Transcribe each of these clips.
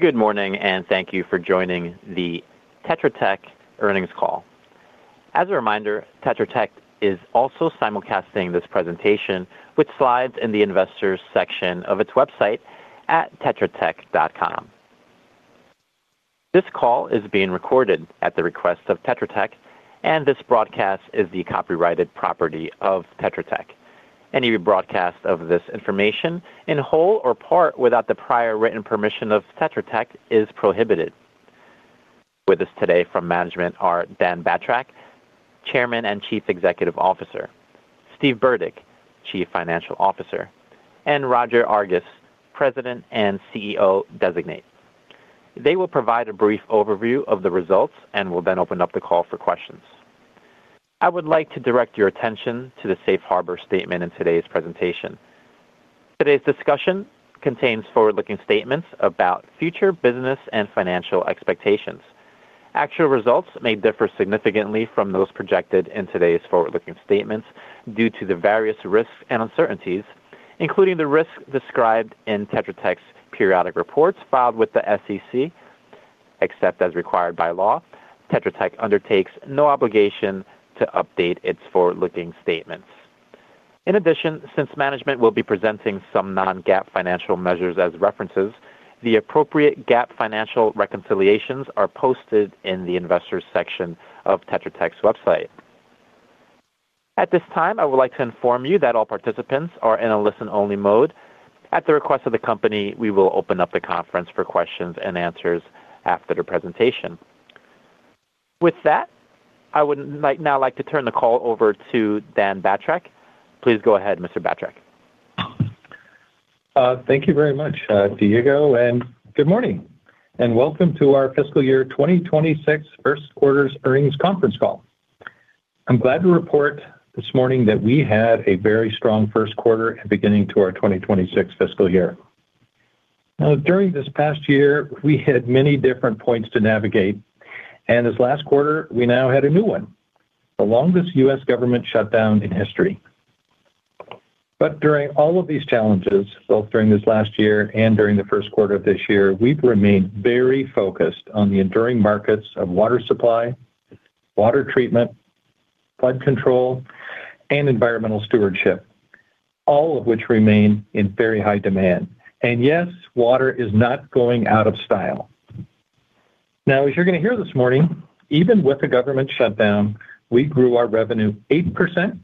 Good morning, and thank you for joining the Tetra Tech earnings call. As a reminder, Tetra Tech is also simulcasting this presentation with slides in the Investors section of its website at tetratech.com. This call is being recorded at the request of Tetra Tech, and this broadcast is the copyrighted property of Tetra Tech. Any rebroadcast of this information, in whole or part, without the prior written permission of Tetra Tech, is prohibited. With us today from management are Dan Batrack, Chairman and Chief Executive Officer, Steve Burdick, Chief Financial Officer, and Roger Argus, President and CEO Designate. They will provide a brief overview of the results and will then open up the call for questions. I would like to direct your attention to the Safe Harbor statement in today's presentation. Today's discussion contains forward-looking statements about future business and financial expectations. Actual results may differ significantly from those projected in today's forward-looking statements due to the various risks and uncertainties, including the risks described in Tetra Tech's periodic reports filed with the SEC. Except as required by law, Tetra Tech undertakes no obligation to update its forward-looking statements. In addition, since management will be presenting some non-GAAP financial measures as references, the appropriate GAAP financial reconciliations are posted in the Investors section of Tetra Tech's website. At this time, I would like to inform you that all participants are in a listen-only mode. At the request of the company, we will open up the conference for questions and answers after the presentation. With that, I would like now to turn the call over to Dan Batrack. Please go ahead, Mr. Batrack. Thank you very much, Diego, and good morning, and welcome to our Fiscal Year 2026 First Quarter's Earnings Conference Call. I'm glad to report this morning that we had a very strong first quarter and beginning to our 2026 fiscal year. Now, during this past year, we had many different points to navigate, and this last quarter, we now had a new one, the longest U.S. government shutdown in history. But during all of these challenges, both during this last year and during the first quarter of this year, we've remained very focused on the enduring markets of water supply, water treatment, flood control, and environmental stewardship, all of which remain in very high demand. And yes, water is not going out of style. Now, as you're gonna hear this morning, even with the government shutdown, we grew our revenue 8%.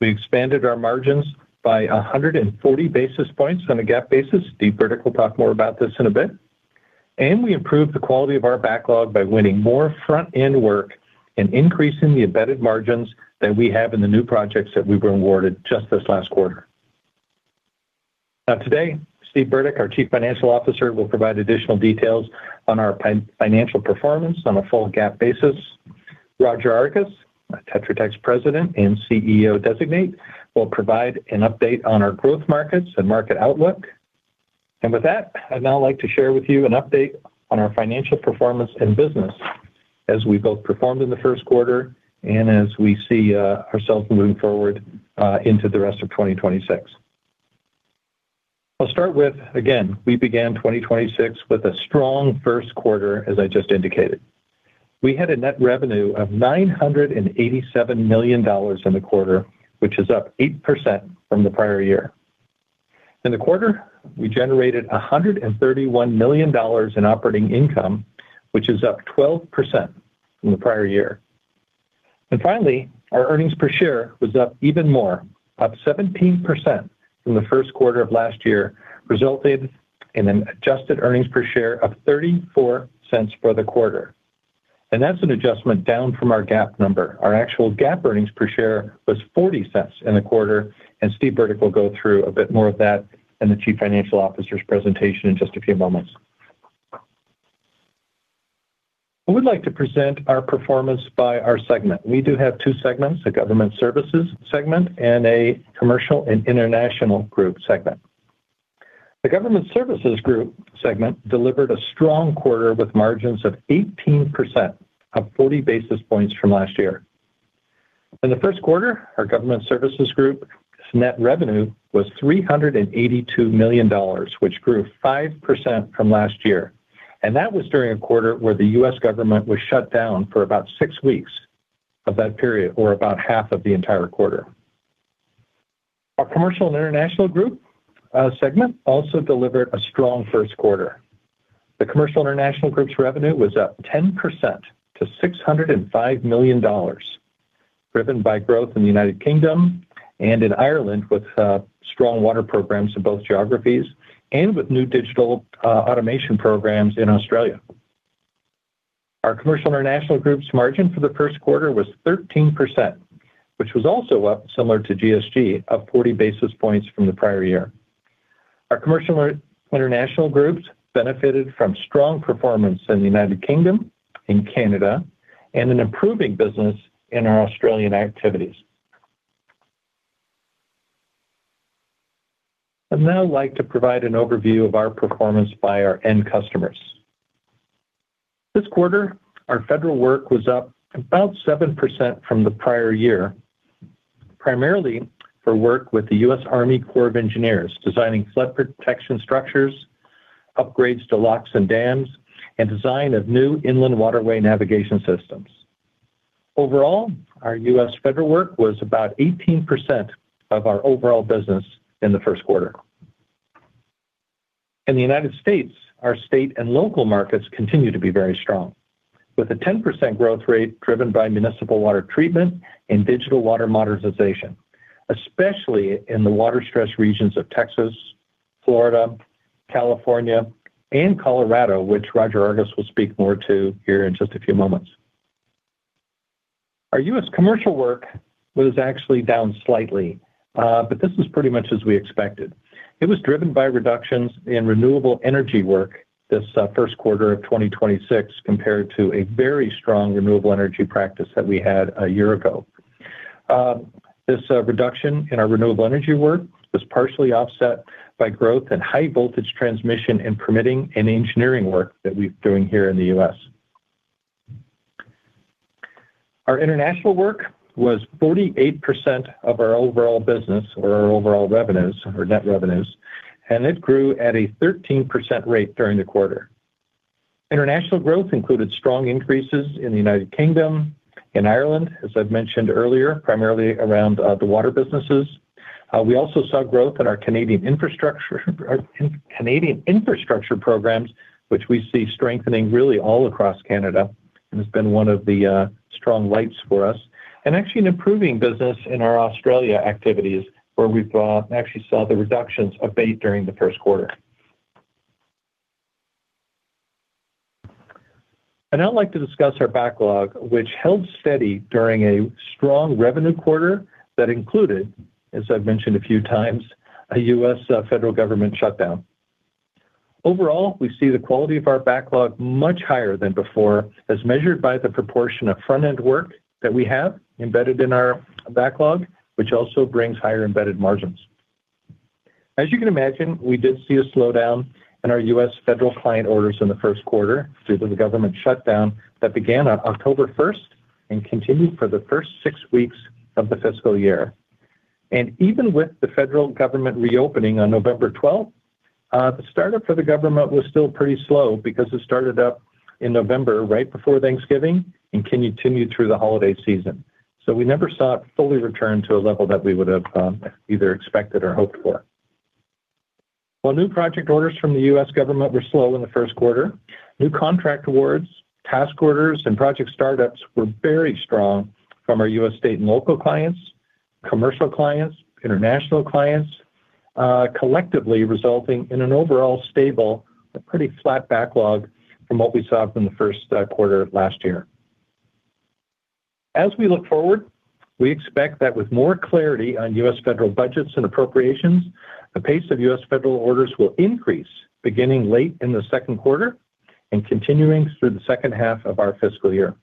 We expanded our margins by 140 basis points on a GAAP basis. Steve Burdick will talk more about this in a bit. And we improved the quality of our backlog by winning more front-end work and increasing the embedded margins that we have in the new projects that we've been awarded just this last quarter. Now, today, Steve Burdick, our Chief Financial Officer, will provide additional details on our financial performance on a full GAAP basis. Roger Argus, Tetra Tech's President and CEO Designate, will provide an update on our growth markets and market outlook. And with that, I'd now like to share with you an update on our financial performance and business as we both performed in the first quarter and as we see ourselves moving forward into the rest of 2026. I'll start with, again, we began 2026 with a strong first quarter, as I just indicated. We had a net revenue of $987 million in the quarter, which is up 8% from the prior year. In the quarter, we generated $131 million in operating income, which is up 12% from the prior year. And finally, our earnings per share was up even more, up 17% from the first quarter of last year, resulted in an adjusted earnings per share of $0.34 for the quarter. And that's an adjustment down from our GAAP number. Our actual GAAP earnings per share was $0.40 in the quarter, and Steve Burdick will go through a bit more of that in the Chief Financial Officer's presentation in just a few moments. I would like to present our performance by our segment. We do have two segments, a Government Services segment and a Commercial and International Group segment. The Government Services Group segment delivered a strong quarter, with margins of 18%, up 40 basis points from last year. In the first quarter, our Government Services group's net revenue was $382 million, which grew 5% from last year, and that was during a quarter where the U.S. government was shut down for about six weeks of that period, or about half of the entire quarter. Our Commercial and International Group segment also delivered a strong first quarter. The Commercial International Group's revenue was up 10% to $605 million, driven by growth in the United Kingdom and in Ireland, with strong water programs in both geographies and with new digital automation programs in Australia. Our Commercial International Group's margin for the first quarter was 13%, which was also up, similar to GSG, up 40 basis points from the prior year. Our Commercial International Groups benefited from strong performance in the United Kingdom, in Canada, and an improving business in our Australian activities. I'd now like to provide an overview of our performance by our end customers. This quarter, our federal work was up about 7% from the prior year, primarily for work with the U.S. Army Corps of Engineers, designing flood protection structures, upgrades to locks and dams, and design of new inland waterway navigation systems. Overall, our U.S. federal work was about 18% of our overall business in the first quarter. In the United States, our state and local markets continue to be very strong, with a 10% growth rate driven by municipal water treatment and digital water modernization, especially in the water-stressed regions of Texas, Florida, California, and Colorado, which Roger Argus will speak more to here in just a few moments. Our U.S. commercial work was actually down slightly, but this is pretty much as we expected. It was driven by reductions in renewable energy work this first quarter of 2026, compared to a very strong renewable energy practice that we had a year ago. This reduction in our renewable energy work was partially offset by growth and high voltage transmission in permitting and engineering work that we're doing here in the U.S. Our international work was 48% of our overall business or our overall revenues or net revenues, and it grew at a 13% rate during the quarter. International growth included strong increases in the United Kingdom and Ireland, as I've mentioned earlier, primarily around the water businesses. We also saw growth in our Canadian infrastructure, our Canadian infrastructure programs, which we see strengthening really all across Canada, and has been one of the strong lights for us, and actually an improving business in our Australia activities, where we've actually saw the reductions abate during the first quarter. I'd now like to discuss our backlog, which held steady during a strong revenue quarter that included, as I've mentioned a few times, a U.S. federal government shutdown. Overall, we see the quality of our backlog much higher than before, as measured by the proportion of front-end work that we have embedded in our backlog, which also brings higher embedded margins. As you can imagine, we did see a slowdown in our U.S. federal client orders in the first quarter due to the government shutdown that began on October first and continued for the first six weeks of the fiscal year. Even with the federal government reopening on November 12th, the startup for the government was still pretty slow because it started up in November, right before Thanksgiving, and continued through the holiday season. So we never saw it fully return to a level that we would have either expected or hoped for. While new project orders from the U.S. government were slow in the first quarter, new contract awards, task orders, and project startups were very strong from our U.S. state and local clients, commercial clients, international clients, collectively resulting in an overall stable but pretty flat backlog from what we saw from the first quarter of last year. As we look forward, we expect that with more clarity on U.S. federal budgets and appropriations, the pace of U.S. federal orders will increase beginning late in the second quarter and continuing through the second half of our fiscal year.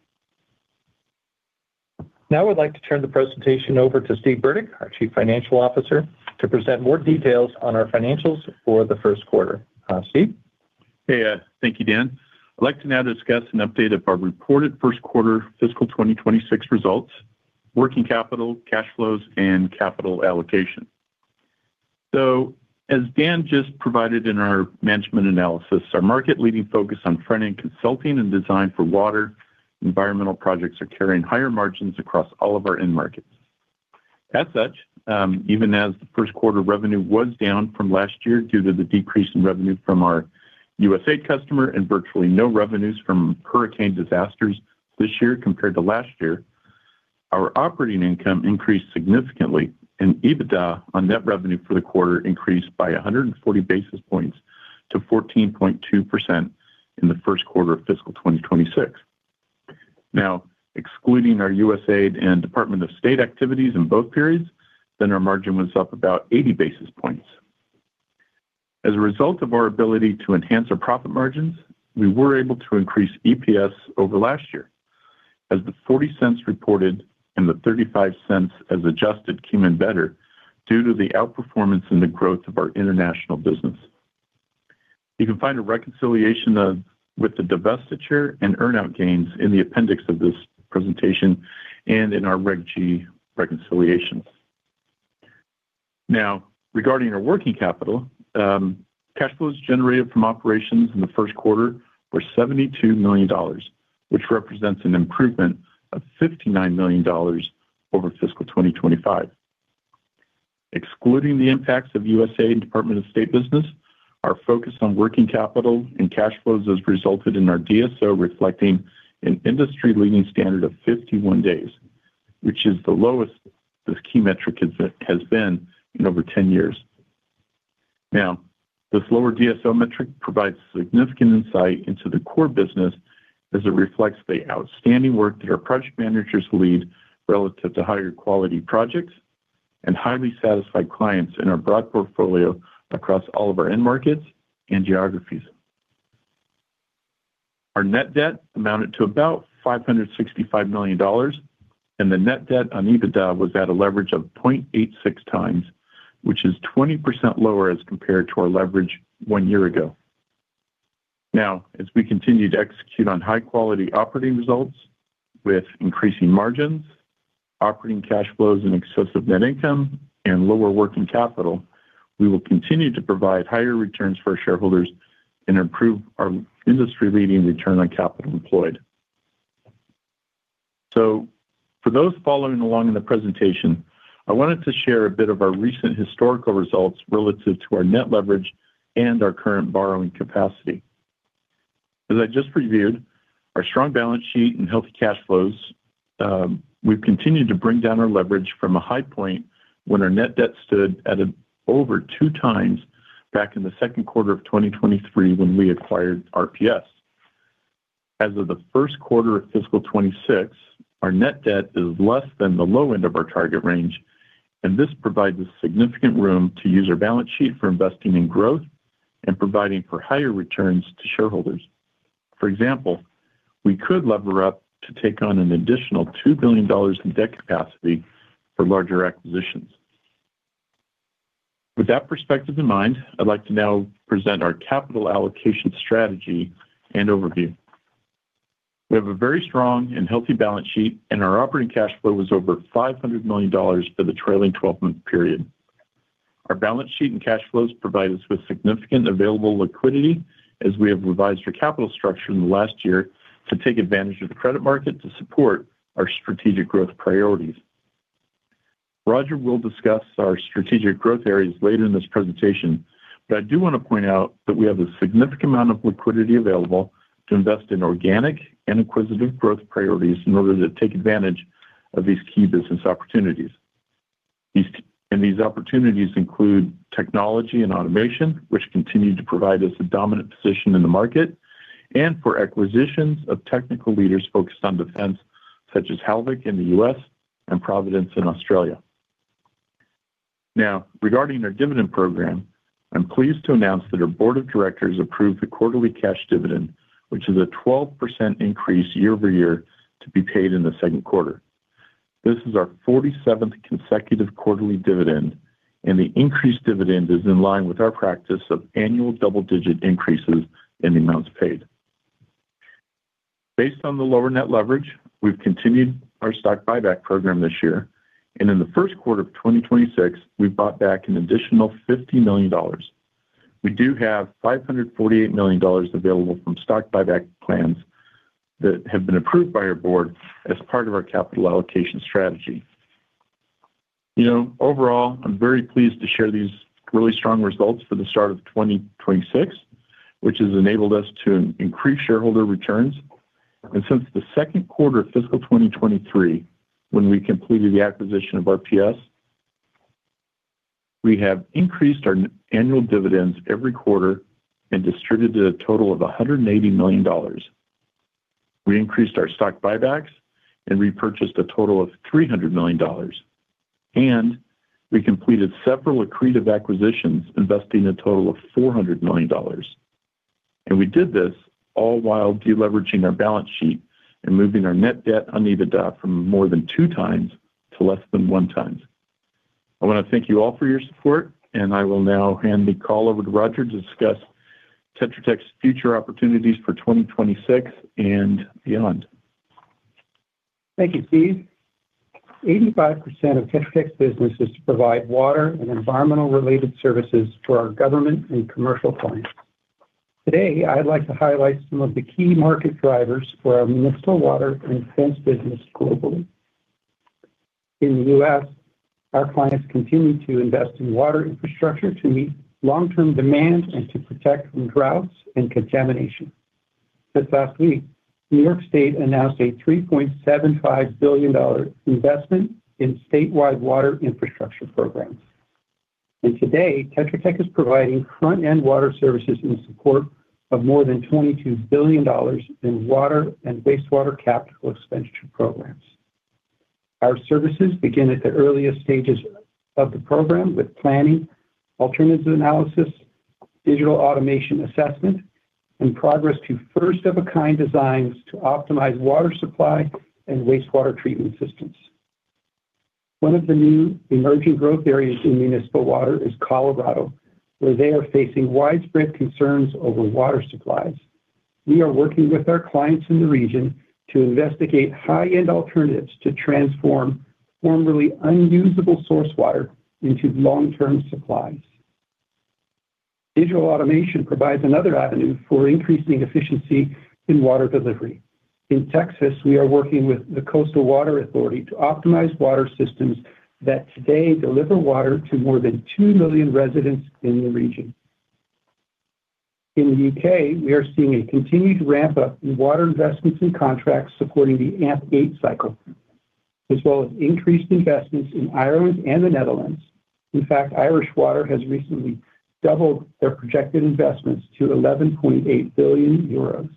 Now, I'd like to turn the presentation over to Steve Burdick, our Chief Financial Officer, to present more details on our financials for the first quarter. Steve? Hey, thank you, Dan. I'd like to now discuss an update of our reported first quarter fiscal 2026 results, working capital, cash flows, and capital allocation. So as Dan just provided in our management analysis, our market-leading focus on front-end consulting and design for water environmental projects are carrying higher margins across all of our end markets. As such, even as the first quarter revenue was down from last year due to the decrease in revenue from our USAID customer and virtually no revenues from hurricane disasters this year compared to last year, our operating income increased significantly and EBITDA on net revenue for the quarter increased by 140 basis points to 14.2% in the first quarter of fiscal 2026. Now, excluding our USAID and Department of State activities in both periods, then our margin was up about 80 basis points. As a result of our ability to enhance our profit margins, we were able to increase EPS over last year, as the $0.40 reported and the $0.35 as adjusted, came in better due to the outperformance and the growth of our international business. You can find a reconciliation of, with the divestiture and earn-out gains in the appendix of this presentation and in our Reg G reconciliations. Now, regarding our working capital, cash flows generated from operations in the first quarter were $72 million, which represents an improvement of $59 million over fiscal 2025. Excluding the impacts of USAID and Department of State business, our focus on working capital and cash flows has resulted in our DSO reflecting an industry-leading standard of 51 days, which is the lowest this key metric has been in over 10 years. Now, this lower DSO metric provides significant insight into the core business as it reflects the outstanding work that our project managers lead relative to higher quality projects and highly satisfied clients in our broad portfolio across all of our end markets and geographies. Our net debt amounted to about $565 million, and the net debt on EBITDA was at a leverage of 0.86x, which is 20% lower as compared to our leverage one year ago. Now, as we continue to execute on high-quality operating results with increasing margins, operating cash flows, and excessive net income and lower working capital, we will continue to provide higher returns for our shareholders and improve our industry-leading return on capital employed. So for those following along in the presentation, I wanted to share a bit of our recent historical results relative to our net leverage and our current borrowing capacity. As I just reviewed, our strong balance sheet and healthy cash flows, we've continued to bring down our leverage from a high point when our net debt stood at over 2x back in the second quarter of 2023 when we acquired RPS. As of the first quarter of fiscal 2026, our net debt is less than the low end of our target range, and this provides significant room to use our balance sheet for investing in growth and providing for higher returns to shareholders. For example, we could lever up to take on an additional $2 billion in debt capacity for larger acquisitions. With that perspective in mind, I'd like to now present our capital allocation strategy and overview. We have a very strong and healthy balance sheet, and our operating cash flow was over $500 million for the trailing 12-month period. Our balance sheet and cash flows provide us with significant available liquidity, as we have revised our capital structure in the last year to take advantage of the credit market to support our strategic growth priorities. Roger will discuss our strategic growth areas later in this presentation, but I do want to point out that we have a significant amount of liquidity available to invest in organic and acquisitive growth priorities in order to take advantage of these key business opportunities. These opportunities include technology and automation, which continue to provide us a dominant position in the market, and for acquisitions of technical leaders focused on defense, such as Halvik in the U.S. and Providence in Australia. Now, regarding our dividend program, I'm pleased to announce that our board of directors approved the quarterly cash dividend, which is a 12% increase year-over-year, to be paid in the second quarter. This is our 47th consecutive quarterly dividend, and the increased dividend is in line with our practice of annual double-digit increases in the amounts paid. Based on the lower net leverage, we've continued our stock buyback program this year, and in the first quarter of 2026, we bought back an additional $50 million. We do have $548 million available from stock buyback plans that have been approved by our board as part of our capital allocation strategy. You know, overall, I'm very pleased to share these really strong results for the start of 2026, which has enabled us to increase shareholder returns. And since the second quarter of fiscal 2023, when we completed the acquisition of RPS, we have increased our annual dividends every quarter and distributed a total of $180 million. We increased our stock buybacks and repurchased a total of $300 million, and we completed several accretive acquisitions, investing a total of $400 million. We did this all while deleveraging our balance sheet and moving our net debt on EBITDA from more than 2x to less than 1x. I want to thank you all for your support, and I will now hand the call over to Roger to discuss Tetra Tech's future opportunities for 2026 and beyond. Thank you, Steve. 85% of Tetra Tech's business is to provide water and environmental-related services to our government and commercial clients. Today, I'd like to highlight some of the key market drivers for our municipal water and defense business globally. In the U.S., our clients continue to invest in water infrastructure to meet long-term demand and to protect from droughts and contamination. Just last week, New York State announced a $3.75 billion investment in statewide water infrastructure programs. Today, Tetra Tech is providing front-end water services in support of more than $22 billion in water and wastewater capital expenditure programs. Our services begin at the earliest stages of the program with planning, alternatives analysis, digital automation assessment, and progress to first-of-a-kind designs to optimize water supply and wastewater treatment systems. One of the new emerging growth areas in municipal water is Colorado, where they are facing widespread concerns over water supplies. We are working with our clients in the region to investigate high-end alternatives to transform formerly unusable source water into long-term supplies. Digital automation provides another avenue for increasing efficiency in water delivery. In Texas, we are working with the Coastal Water Authority to optimize water systems that today deliver water to more than 2 million residents in the region. In the U.K., we are seeing a continued ramp-up in water investments and contracts supporting the AMP8 cycle, as well as increased investments in Ireland and the Netherlands. In fact, Irish Water has recently doubled their projected investments to 11.8 billion euros.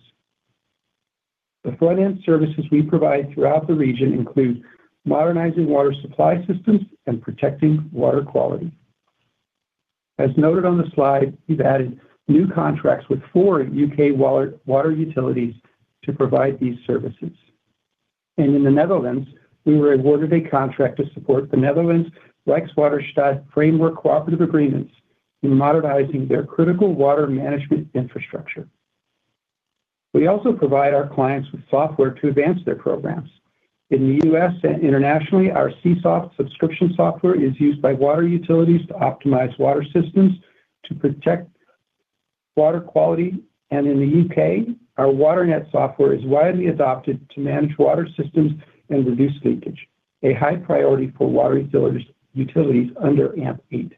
The front-end services we provide throughout the region include modernizing water supply systems and protecting water quality. As noted on the slide, we've added new contracts with four U.K. water utilities to provide these services. In the Netherlands, we were awarded a contract to support the Netherlands Rijkswaterstaat framework cooperative agreements in modernizing their critical water management infrastructure. We also provide our clients with software to advance their programs. In the U.S. and internationally, our Csoft subscription software is used by water utilities to optimize water systems to protect water quality, and in the U.K., our WaterNet software is widely adopted to manage water systems and reduce leakage, a high priority for water utilities under AMP8.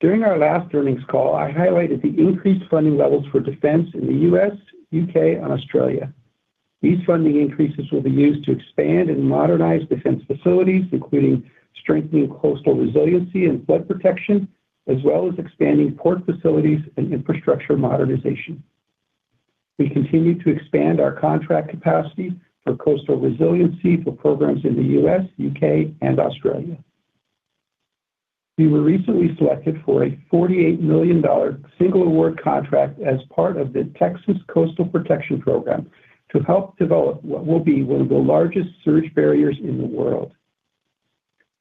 During our last earnings call, I highlighted the increased funding levels for defense in the U.S., U.K., and Australia. These funding increases will be used to expand and modernize defense facilities, including strengthening coastal resiliency and flood protection, as well as expanding port facilities and infrastructure modernization. We continue to expand our contract capacity for coastal resiliency for programs in the U.S., U.K., and Australia. We were recently selected for a $48 million single award contract as part of the Texas Coastal Protection Program, to help develop what will be one of the largest surge barriers in the world.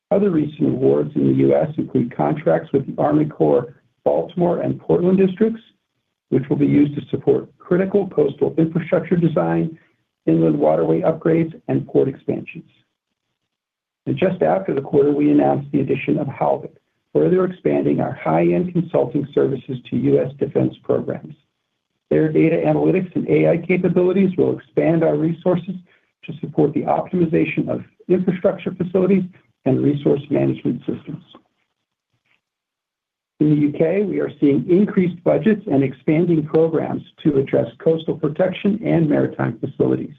Other recent awards in the U.S. include contracts with the Army Corps, Baltimore, and Portland Districts, which will be used to support critical coastal infrastructure design, inland waterway upgrades, and port expansions. Just after the quarter, we announced the addition of Halvik, further expanding our high-end consulting services to U.S. defense programs. Their data analytics and AI capabilities will expand our resources to support the optimization of infrastructure facilities and resource management systems. In the U.K., we are seeing increased budgets and expanding programs to address coastal protection and maritime facilities.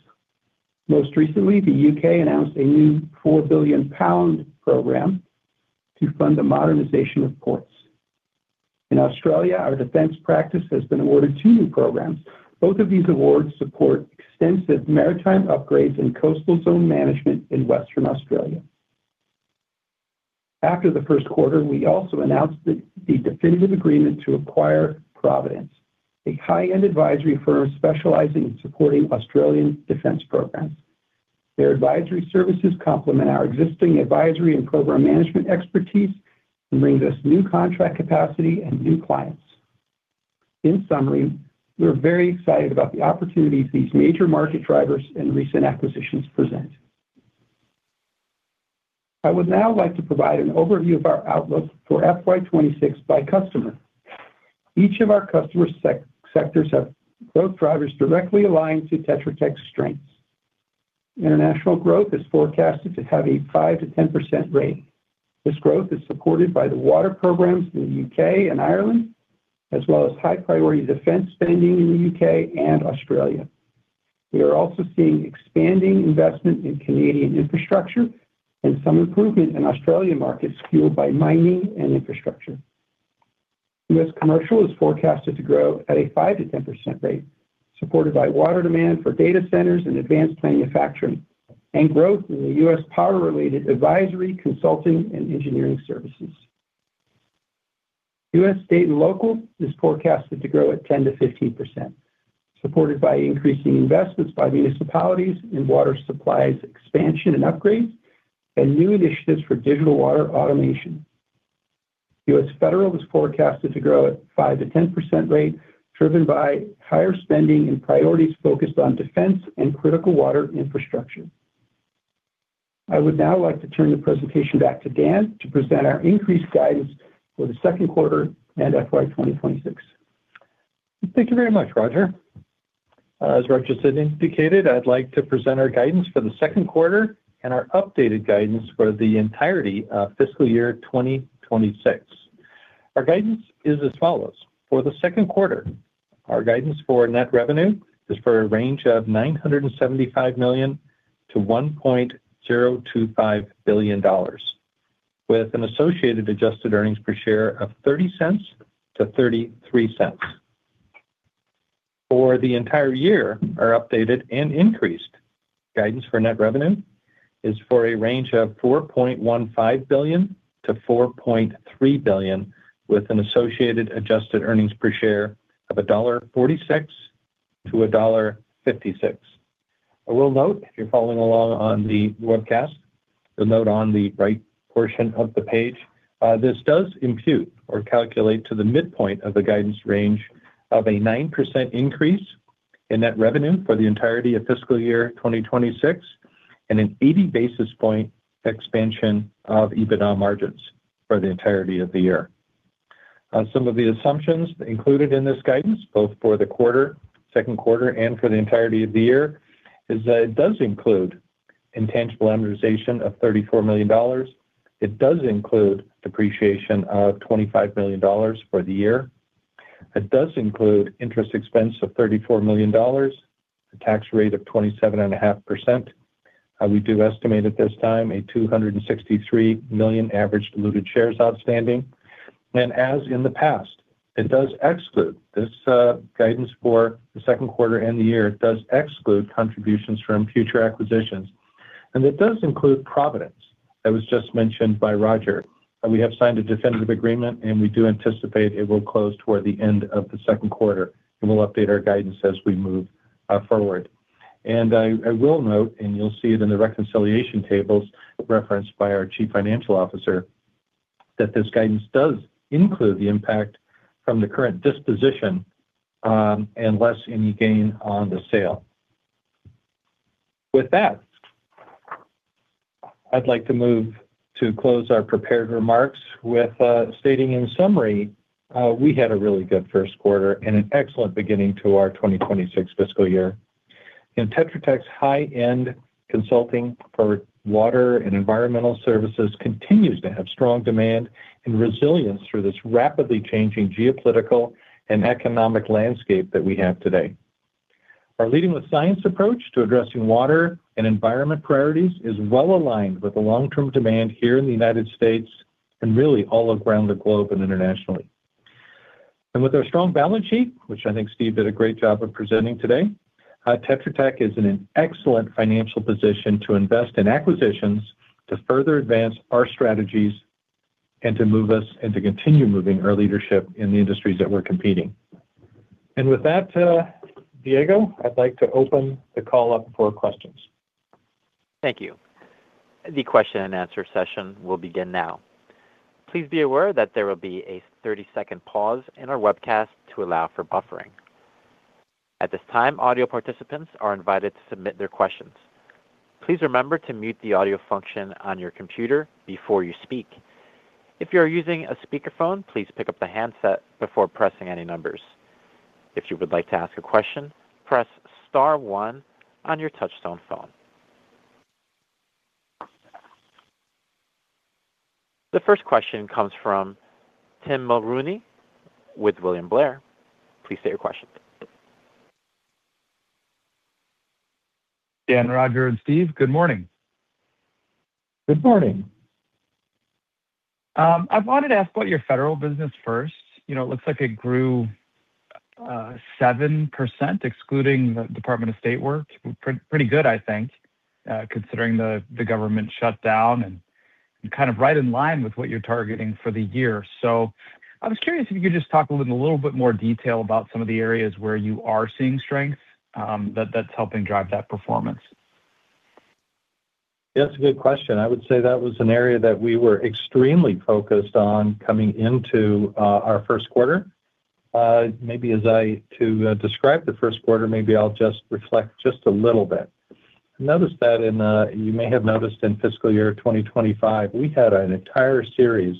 Most recently, the U.K. announced a new 4 billion pound program to fund the modernization of ports. In Australia, our defense practice has been awarded two new programs. Both of these awards support extensive maritime upgrades and coastal zone management in Western Australia. After the first quarter, we also announced the definitive agreement to acquire Providence, a high-end advisory firm specializing in supporting Australian defense programs. Their advisory services complement our existing advisory and program management expertise and bring us new contract capacity and new clients. In summary, we are very excited about the opportunities these major market drivers and recent acquisitions present. I would now like to provide an overview of our outlook for FY 2026 by customer. Each of our customer sectors have growth drivers directly aligned to Tetra Tech's strengths. International growth is forecasted to have a 5%-10% rate. This growth is supported by the water programs in the U.K. and Ireland, as well as high-priority defense spending in the U.K. and Australia. We are also seeing expanding investment in Canadian infrastructure and some improvement in Australian markets, fueled by mining and infrastructure. U.S. commercial is forecasted to grow at a 5%-10% rate, supported by water demand for data centers and advanced manufacturing, and growth in the U.S. power-related advisory, consulting, and engineering services. U.S. state and local is forecasted to grow at 10%-15%, supported by increasing investments by municipalities in water supplies, expansion and upgrades, and new initiatives for digital water automation. U.S. Federal is forecasted to grow at a 5%-10% rate, driven by higher spending and priorities focused on defense and critical water infrastructure. I would now like to turn the presentation back to Dan to present our increased guidance for the second quarter and FY 2026. Thank you very much, Roger. As Roger said, indicated, I'd like to present our guidance for the second quarter and our updated guidance for the entirety of fiscal year 2026. Our guidance is as follows: For the second quarter, our guidance for net revenue is for a range of $975 million-$1.025 billion, with an associated adjusted earnings per share of $0.30-$0.33. For the entire year, our updated and increased guidance for net revenue is for a range of $4.15 billion-$4.3 billion, with an associated adjusted earnings per share of $1.46-$1.56. I will note, if you're following along on the webcast, you'll note on the right portion of the page, this does impute or calculate to the midpoint of the guidance range of a 9% increase in net revenue for the entirety of fiscal year 2026, and an 80 basis point expansion of EBITDA margins for the entirety of the year. Some of the assumptions included in this guidance, both for the quarter, second quarter, and for the entirety of the year, is that it does include intangible amortization of $34 million. It does include depreciation of $25 million for the year. It does include interest expense of $34 million, a tax rate of 27.5%. We do estimate at this time a 263 million average diluted shares outstanding. As in the past, it does exclude. This guidance for the second quarter and the year does exclude contributions from future acquisitions, and it does include Providence, that was just mentioned by Roger. We have signed a definitive agreement, and we do anticipate it will close toward the end of the second quarter, and we'll update our guidance as we move forward. I will note, and you'll see it in the reconciliation tables referenced by our Chief Financial Officer, that this guidance does include the impact from the current disposition, and less any gain on the sale. With that, I'd like to move to close our prepared remarks with stating in summary, we had a really good first quarter and an excellent beginning to our 2026 fiscal year. Tetra Tech's high-end consulting for water and environmental services continues to have strong demand and resilience through this rapidly changing geopolitical and economic landscape that we have today. Our leading with science approach to addressing water and environment priorities is well aligned with the long-term demand here in the United States and really all around the globe and internationally. With our strong balance sheet, which I think Steve did a great job of presenting today, Tetra Tech is in an excellent financial position to invest in acquisitions to further advance our strategies and to move us, and to continue moving our leadership in the industries that we're competing. With that, Diego, I'd like to open the call up for questions. Thank you. The question-and-answer session will begin now. Please be aware that there will be a 30-second pause in our webcast to allow for buffering. At this time, audio participants are invited to submit their questions. Please remember to mute the audio function on your computer before you speak. If you are using a speakerphone, please pick up the handset before pressing any numbers. If you would like to ask a question, press star one on your touch-tone phone. The first question comes from Tim Mulrooney with William Blair. Please state your question. Dan, Roger, and Steve, good morning. Good morning. I wanted to ask about your federal business first. You know, it looks like it grew 7%, excluding the Department of State work. Pretty good, I think, considering the government shutdown and, kind of, right in line with what you're targeting for the year. So I was curious if you could just talk a little, little bit more detail about some of the areas where you are seeing strength, that that's helping drive that performance. That's a good question. I would say that was an area that we were extremely focused on coming into our first quarter. Maybe as I to describe the first quarter, maybe I'll just reflect just a little bit. Notice that in, you may have noticed in fiscal year 2025, we had an entire series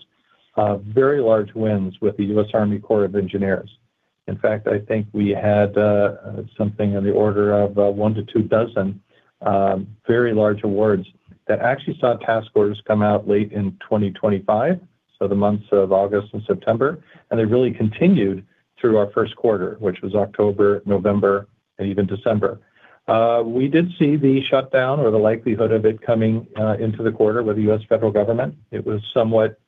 of very large wins with the U.S. Army Corps of Engineers. In fact, I think we had something in the order of 1 dozen-2 dozen very large awards that actually saw task orders come out late in 2025, so the months of August and September, and they really continued through our first quarter, which was October, November, and even December. We did see the shutdown or the likelihood of it coming into the quarter with the U.S. federal government. It was somewhat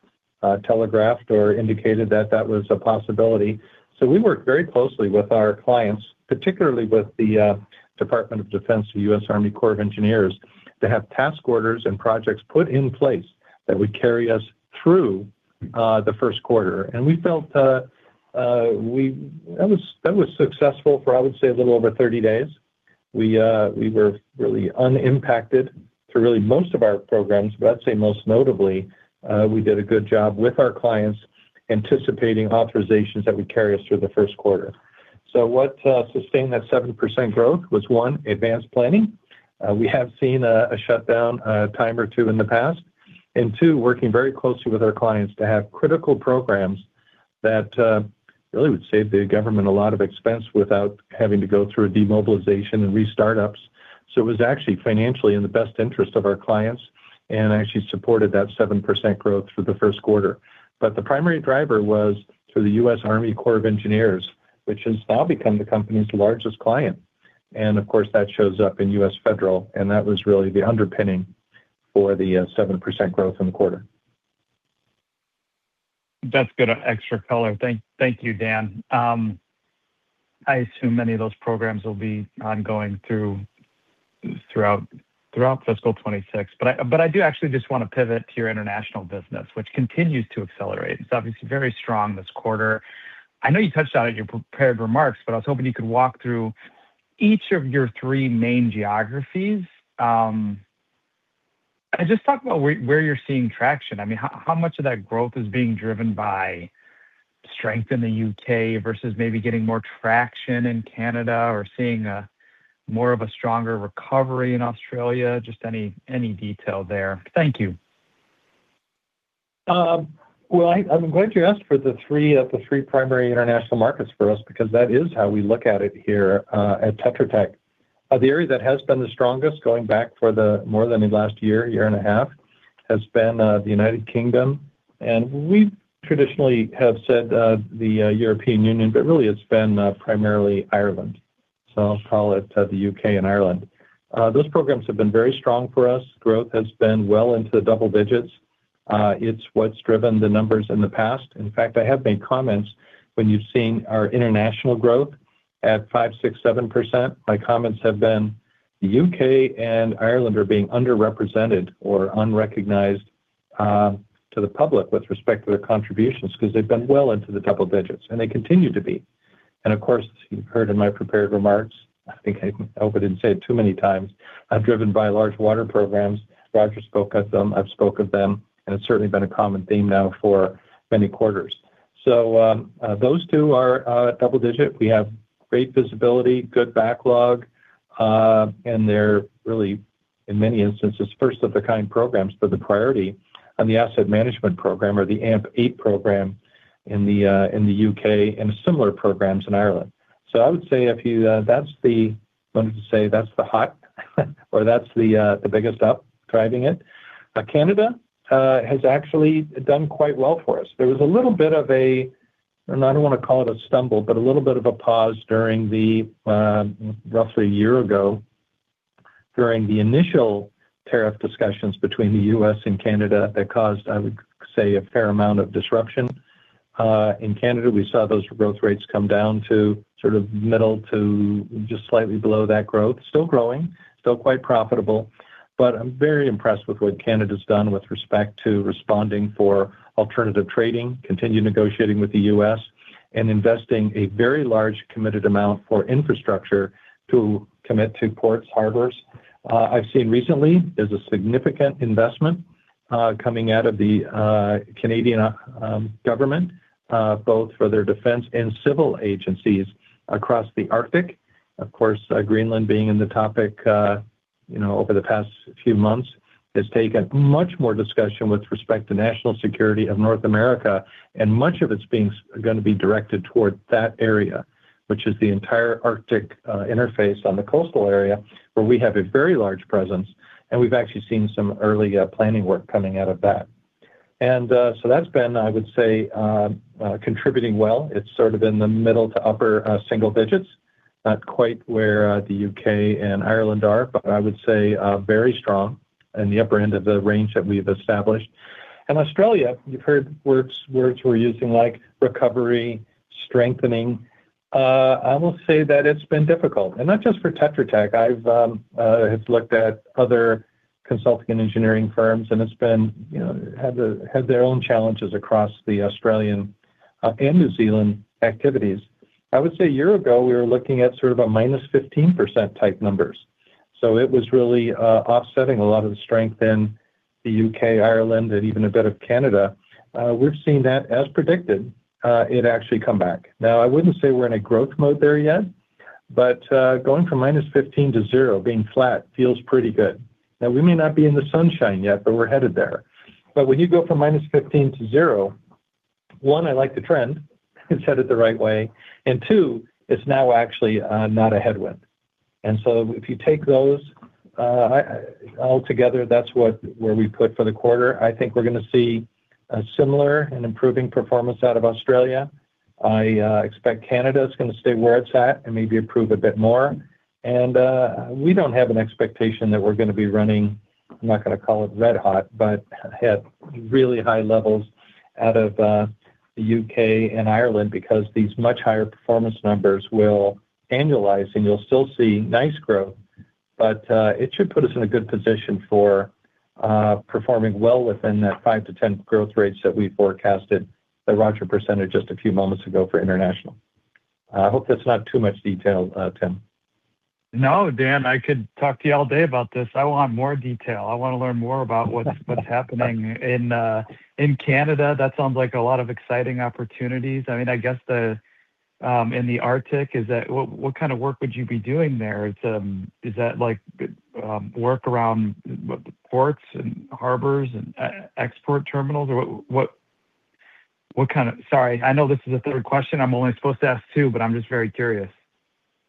telegraphed or indicated that that was a possibility. So we worked very closely with our clients, particularly with the Department of Defense, the U.S. Army Corps of Engineers, to have task orders and projects put in place that would carry us through the first quarter. And we felt that was successful for, I would say, a little over 30 days. We were really unimpacted through really most of our programs, but I'd say most notably, we did a good job with our clients, anticipating authorizations that would carry us through the first quarter. So what sustained that 70% growth was, one, advanced planning. We have seen a shutdown a time or two in the past, and too, working very closely with our clients to have critical programs that really would save the government a lot of expense without having to go through a demobilization and restart-ups. So it was actually financially in the best interest of our clients and actually supported that 7% growth through the first quarter. But the primary driver was through the U.S. Army Corps of Engineers, which has now become the company's largest client. And of course, that shows up in U.S. Federal, and that was really the underpinning for the 7% growth in the quarter. That's good extra color. Thank you, Dan. I assume many of those programs will be ongoing throughout fiscal 2026. But I do actually just want to pivot to your international business, which continues to accelerate. It's obviously very strong this quarter. I know you touched on it in your prepared remarks, but I was hoping you could walk through each of your three main geographies. And just talk about where you're seeing traction. I mean, how much of that growth is being driven by strength in the U.K. versus maybe getting more traction in Canada or seeing more of a stronger recovery in Australia? Just any detail there. Thank you. Well, I'm going to ask for the three of the three primary international markets for us, because that is how we look at it here at Tetra Tech. The area that has been the strongest, going back for more than the last year and a half, has been the United Kingdom, and we traditionally have said the European Union, but really it's been primarily Ireland. So I'll call it the U.K. and Ireland. Those programs have been very strong for us. Growth has been well into double digits. It's what's driven the numbers in the past. In fact, I have made comments when you've seen our international growth at 5%, 6%, 7%. My comments have been, the U.K. and Ireland are being underrepresented or unrecognized to the public with respect to their contributions, because they've been well into the double digits, and they continue to be. And of course, you've heard in my prepared remarks, I think, I hope I didn't say it too many times, I've driven by large water programs. Roger spoke of them, I've spoke of them, and it's certainly been a common theme now for many quarters. So, those two are double-digit. We have great visibility, good backlog, and they're really, in many instances, first-of-a-kind programs for the priority and the asset management program or the AMP8 program in the U.K. and similar programs in Ireland. So I would say if you, that's the, let me just say, that's the hot, or that's the, the biggest up driving it. But Canada has actually done quite well for us. There was a little bit of a, and I don't want to call it a stumble, but a little bit of a pause during the roughly a year ago, during the initial tariff discussions between the U.S. and Canada that caused, I would say, a fair amount of disruption. In Canada, we saw those growth rates come down to sort of middle to just slightly below that growth. Still growing, still quite profitable, but I'm very impressed with what Canada's done with respect to responding for alternative trading, continuing negotiating with the U.S., and investing a very large committed amount for infrastructure to commit to ports, harbors. I've seen recently, there's a significant investment, coming out of the, Canadian, government, both for their defense and civil agencies across the Arctic. Of course, Greenland being in the topic, you know, over the past few months, has taken much more discussion with respect to national security of North America, and much of it's being, going to be directed toward that area, which is the entire Arctic, interface on the coastal area, where we have a very large presence, and we've actually seen some early, planning work coming out of that. So that's been, I would say, contributing well. It's sort of in the middle- to upper-single digits, not quite where, the U.K. and Ireland are, but I would say, very strong in the upper end of the range that we've established. Australia, you've heard words we're using like recovery, strengthening. I will say that it's been difficult, and not just for Tetra Tech. I've looked at other consulting and engineering firms, and it's been, you know, their own challenges across the Australian and New Zealand activities. I would say a year ago, we were looking at sort of a -15% type numbers. So it was really offsetting a lot of the strength in the U.K., Ireland, and even a bit of Canada. We've seen that, as predicted, it actually come back. Now, I wouldn't say we're in a growth mode there yet, but going from -15% to zero, being flat feels pretty good. Now, we may not be in the sunshine yet, but we're headed there. But when you go from -15% to zero, one, I like the trend, it's headed the right way, and two, it's now actually not a headwind. And so if you take those altogether, that's what, where we put for the quarter. I think we're going to see a similar and improving performance out of Australia. I expect Canada is going to stay where it's at and maybe improve a bit more. And we don't have an expectation that we're gonna be running, I'm not gonna call it red-hot, but at really high levels out of the U.K. and Ireland, because these much higher performance numbers will annualize, and you'll still see nice growth. But, it should put us in a good position for performing well within that 5%-10% growth rates that we forecasted, that Roger presented just a few moments ago for international. I hope that's not too much detail, Tim. No, Dan, I could talk to you all day about this. I want more detail. I want to learn more about what's happening in Canada. That sounds like a lot of exciting opportunities. I mean, I guess in the Arctic, is that - what kind of work would you be doing there? Is that, like, work around the ports and harbors and export terminals, or what kind of... Sorry, I know this is the third question. I'm only supposed to ask two, but I'm just very curious.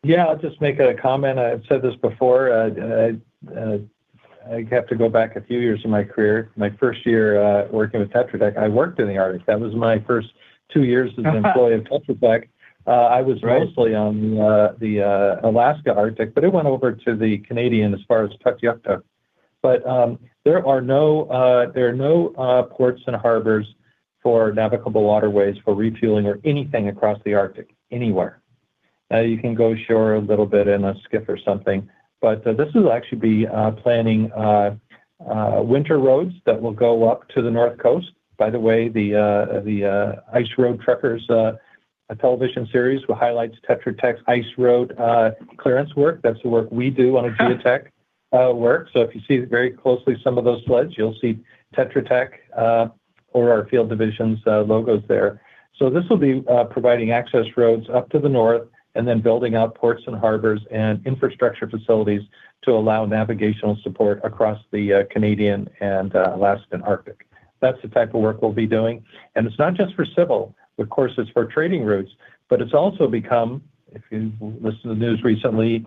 Yeah, I'll just make a comment. I've said this before. I have to go back a few years in my career. My first year working with Tetra Tech, I worked in the Arctic. That was my first two years as an employee of Tetra Tech. I was- Right. Mostly on the Alaska Arctic, but it went over to the Canadian, as far as Tuktoyaktuk. But there are no ports and harbors for navigable waterways, for refueling or anything across the Arctic, anywhere. Now, you can go ashore a little bit in a skiff or something, but this will actually be planning winter roads that will go up to the north coast. By the way, the Ice Road Truckers, a television series, which highlights Tetra Tech's ice road clearance work. That's the work we do on geotech work. So if you see very closely some of those sleds, you'll see Tetra Tech or our field divisions logos there. So this will be providing access roads up to the north and then building out ports and harbors and infrastructure facilities to allow navigational support across the Canadian and Alaskan Arctic. That's the type of work we'll be doing. It's not just for civil, of course, it's for trading routes, but it's also become, if you listen to the news recently,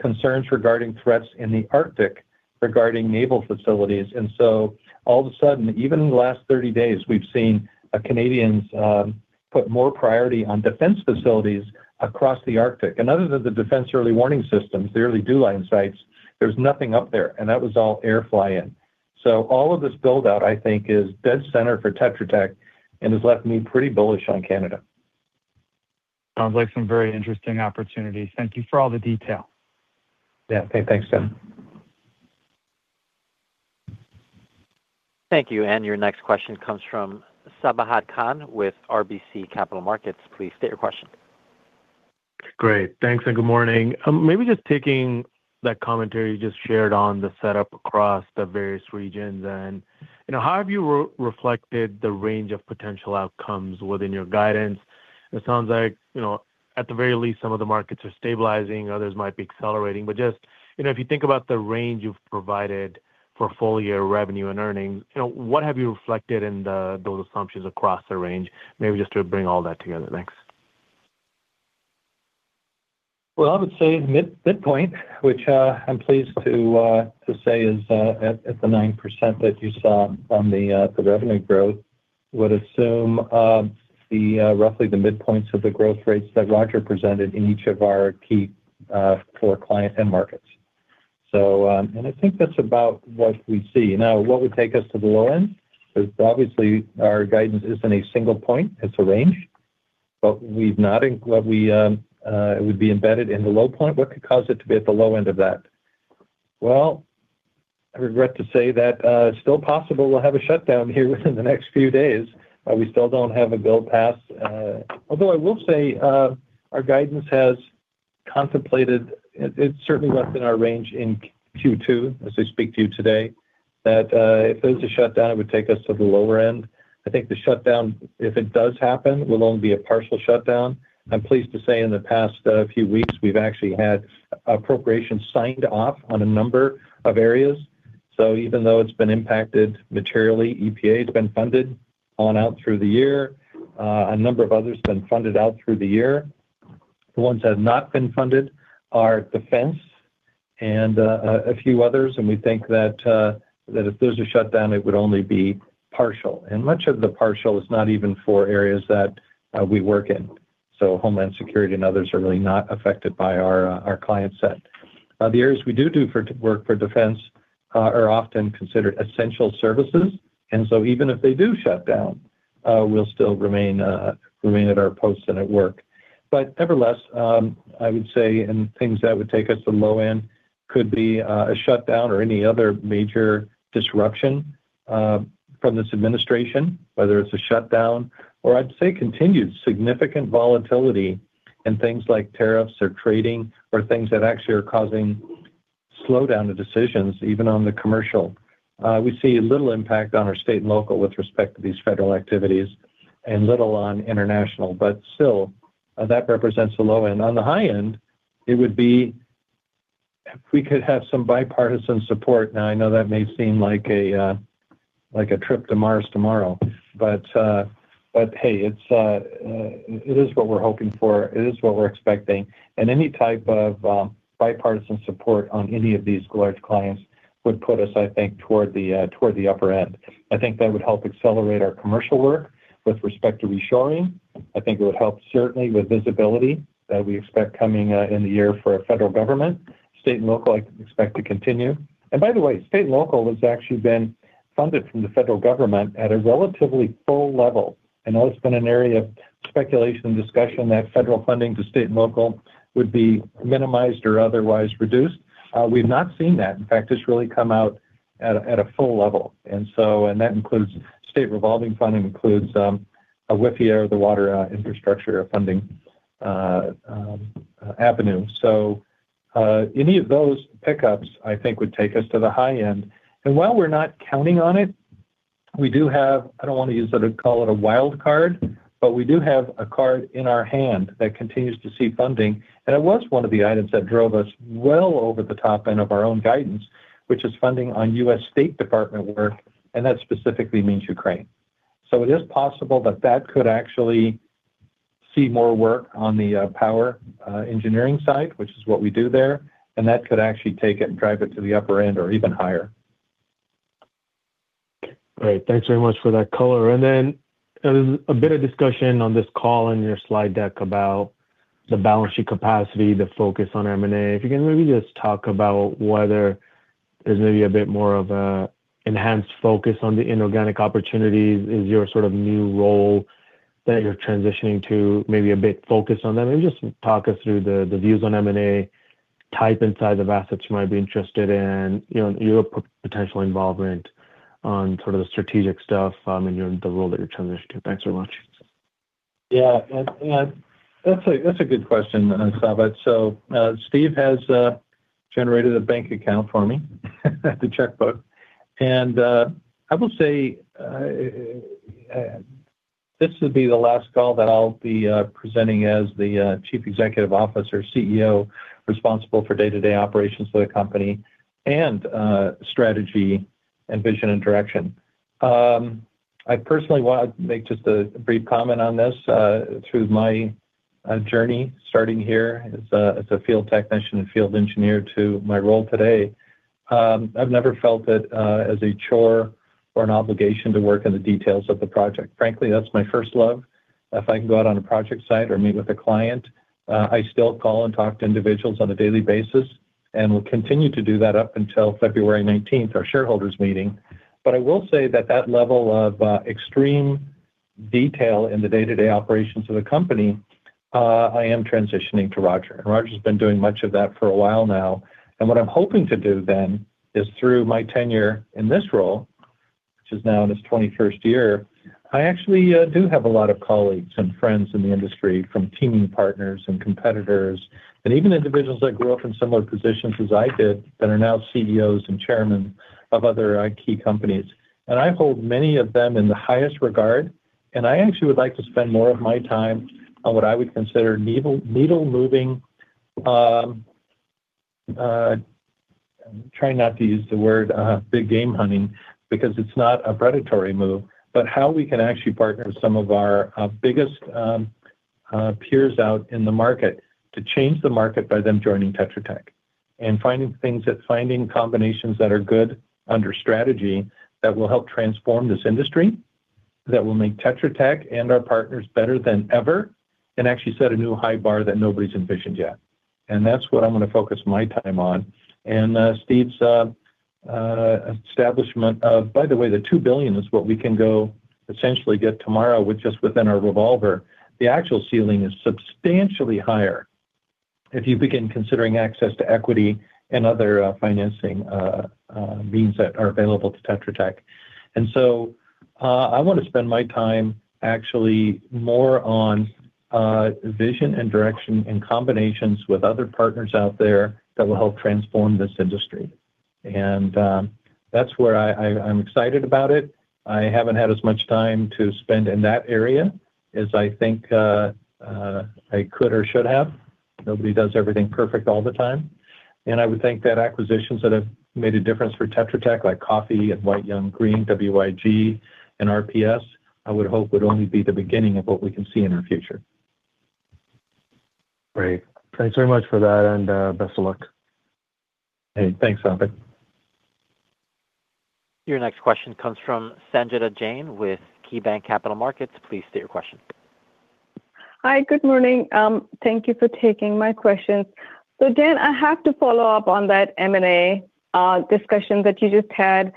concerns regarding threats in the Arctic regarding naval facilities. So all of a sudden, even in the last 30 days, we've seen Canadians put more priority on defense facilities across the Arctic. Other than the defense early warning systems, the early DEW Line sites, there's nothing up there, and that was all airlift in. So all of this build-out, I think, is dead center for Tetra Tech and has left me pretty bullish on Canada. Sounds like some very interesting opportunities. Thank you for all the detail. Yeah. Okay, thanks, Tim. Thank you, and your next question comes from Sabahat Khan with RBC Capital Markets. Please state your question. Great. Thanks, and good morning. Maybe just taking that commentary you just shared on the setup across the various regions, and, you know, how have you re-reflected the range of potential outcomes within your guidance? It sounds like, you know, at the very least, some of the markets are stabilizing, others might be accelerating. But just, you know, if you think about the range you've provided for full-year revenue and earnings, you know, what have you reflected in the, those assumptions across the range? Maybe just to bring all that together. Thanks. Well, I would say midpoint, which I'm pleased to say is at the 9% that you saw on the revenue growth, would assume roughly the midpoints of the growth rates that Roger presented in each of our key core clients and markets. So, and I think that's about what we see. Now, what would take us to the low end? 'Cause obviously, our guidance isn't a single point, it's a range. But we've not in-- what we, it would be embedded in the low point. What could cause it to be at the low end of that? Well, I regret to say that it's still possible we'll have a shutdown here within the next few days, we still don't have a bill passed. Although I will say, our guidance has contemplated it. It's certainly less than our range in Q2, as I speak to you today, that if there's a shutdown, it would take us to the lower end. I think the shutdown, if it does happen, will only be a partial shutdown. I'm pleased to say in the past few weeks, we've actually had appropriation signed off on a number of areas. So even though it's been impacted materially, EPA has been funded on out through the year. A number of others have been funded out through the year. The ones that have not been funded are defense and a few others, and we think that if there's a shutdown, it would only be partial. Much of the partial is not even for areas that we work in, so Homeland Security and others are really not affected by our client set. The areas we do do for work for defense are often considered essential services, and so even if they do shut down, we'll still remain at our posts and at work. But nevertheless, I would say, and things that would take us to the low end could be a shutdown or any other major disruption from this administration, whether it's a shutdown or I'd say continued significant volatility in things like tariffs or trading, or things that actually are causing slowdown to decisions, even on the commercial. We see little impact on our state and local with respect to these federal activities and little on international, but still, that represents the low end. On the high end, it would be if we could have some bipartisan support. Now, I know that may seem like a, like a trip to Mars tomorrow, but, but, hey, it's, it is what we're hoping for, it is what we're expecting. And any type of bipartisan support on any of these large clients would put us, I think, toward the, toward the upper end. I think that would help accelerate our commercial work with respect to reshoring. I think it would help certainly with visibility that we expect coming in the year for a federal government. State and local, I expect to continue. And by the way, state and local has actually been funded from the federal government at a relatively full level. I know it's been an area of speculation and discussion that federal funding to state and local would be minimized or otherwise reduced. We've not seen that. In fact, it's really come out at a full level. And so, and that includes state revolving funding, includes WIFIA, the water infrastructure funding avenue. So, any of those pickups, I think, would take us to the high end. And while we're not counting on it, we do have... I don't want to use it to call it a wild card, but we do have a card in our hand that continues to see funding. It was one of the items that drove us well over the top end of our own guidance, which is funding on U.S. State Department work, and that specifically means Ukraine. It is possible that that could actually see more work on the power engineering side, which is what we do there, and that could actually take it and drive it to the upper end or even higher. Great. Thanks very much for that color. And then there was a bit of discussion on this call and your slide deck about the balance sheet capacity, the focus on M&A. If you can maybe just talk about whether there's maybe a bit more of a enhanced focus on the inorganic opportunities. Is your sort of new role that you're transitioning to, maybe a bit focused on that? Maybe just talk us through the, the views on M&A type and size of assets you might be interested in, you know, your potential involvement on sort of the strategic stuff, and the role that you're transitioning to. Thanks so much. Yeah, that's a good question, Sabahat. So, Steve has generated a bank account for me, the checkbook. And, I will say, this will be the last call that I'll be presenting as the Chief Executive Officer, CEO, responsible for day-to-day operations of the company and strategy and vision and direction. I personally want to make just a brief comment on this, through my journey starting here as a field technician and field engineer to my role today, I've never felt that as a chore or an obligation to work on the details of the project. Frankly, that's my first love. If I can go out on a project site or meet with a client, I still call and talk to individuals on a daily basis, and will continue to do that up until February 19th, our shareholders meeting. But I will say that that level of extreme detail in the day-to-day operations of the company, I am transitioning to Roger. And Roger has been doing much of that for a while now, and what I'm hoping to do then is through my tenure in this role, which is now in its 21st year, I actually do have a lot of colleagues and friends in the industry, from teaming partners and competitors, and even individuals that grew up in similar positions as I did, that are now CEOs and chairmen of other key companies. I hold many of them in the highest regard, and I actually would like to spend more of my time on what I would consider needle-moving. I'm trying not to use the word big game hunting, because it's not a predatory move, but how we can actually partner with some of our biggest peers out in the market to change the market by them joining Tetra Tech. And finding combinations that are good under strategy, that will help transform this industry, that will make Tetra Tech and our partners better than ever, and actually set a new high bar that nobody's envisioned yet. And that's what I'm gonna focus my time on. And Steve's establishment of... By the way, the $2 billion is what we can go essentially get tomorrow with just within our revolver. The actual ceiling is substantially higher if you begin considering access to equity and other financing means that are available to Tetra Tech. And so, I wanna spend my time actually more on vision and direction and combinations with other partners out there that will help transform this industry. And, that's where I'm excited about it. I haven't had as much time to spend in that area as I think I could or should have. Nobody does everything perfect all the time, and I would think that acquisitions that have made a difference for Tetra Tech, like Coffey and White Young Green, WYG and RPS, I would hope would only be the beginning of what we can see in our future. Great. Thanks very much for that, and best of luck. Hey, thanks, Sabahat. Your next question comes from Sangita Jain with KeyBanc Capital Markets. Please state your question. Hi, good morning. Thank you for taking my question. So Dan, I have to follow up on that M&A discussion that you just had.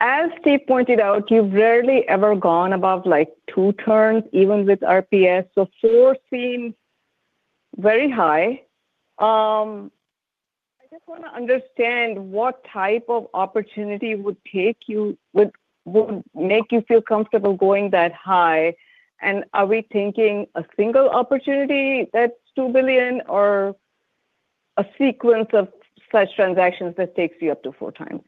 As Steve pointed out, you've rarely ever gone above, like, two turns, even with RPS, so four seems very high. I just wanna understand what type of opportunity would make you feel comfortable going that high, and are we thinking a single opportunity that's $2 billion or a sequence of such transactions that takes you up to 4x?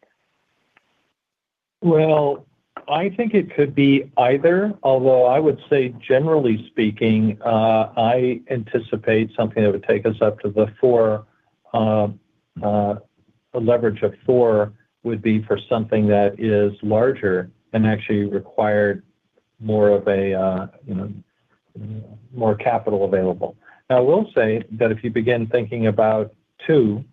Well, I think it could be either, although I would say generally speaking, I anticipate something that would take us up to the 4x, a leverage of 4x, would be for something that is larger and actually required more of a, you know, more capital available. I will say that if you begin thinking about 2x,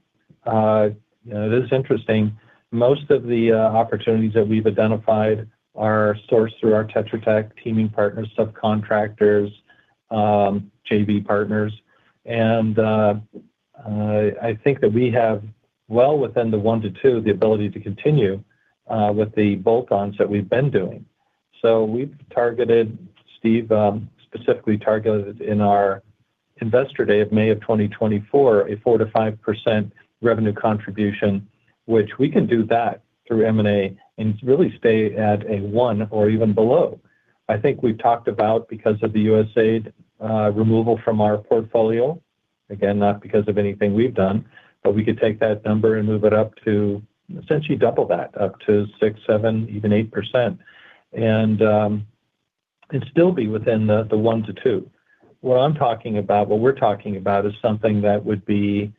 you know, it is interesting, most of the opportunities that we've identified are sourced through our Tetra Tech teaming partners, subcontractors, JV partners, and, I think that we have well within the 1x-2x, the ability to continue, with the bolt-ons that we've been doing. So we've targeted, Steve, specifically targeted in our Investor Day of May of 2024, a 4%-5% revenue contribution, which we can do that through M&A and really stay at a 1x or even below. I think we've talked about because of the USAID removal from our portfolio, again, not because of anything we've done, but we could take that number and move it up to essentially double that, up to 6%, 7%, even 8%. And, and still be within the 1x-2x. What I'm talking about, what we're talking about is something that would be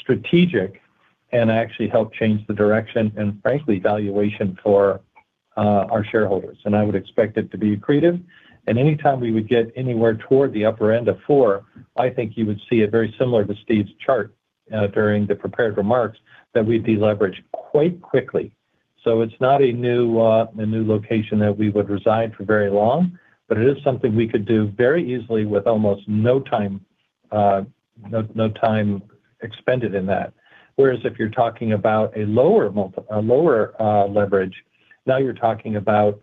strategic and actually help change the direction and frankly, valuation for our shareholders. I would expect it to be accretive, and anytime we would get anywhere toward the upper end of four, I think you would see it very similar to Steve's chart during the prepared remarks, that we'd deleverage quite quickly. So it's not a new location that we would reside for very long, but it is something we could do very easily with almost no time expended in that. Whereas if you're talking about a lower leverage, now you're talking about,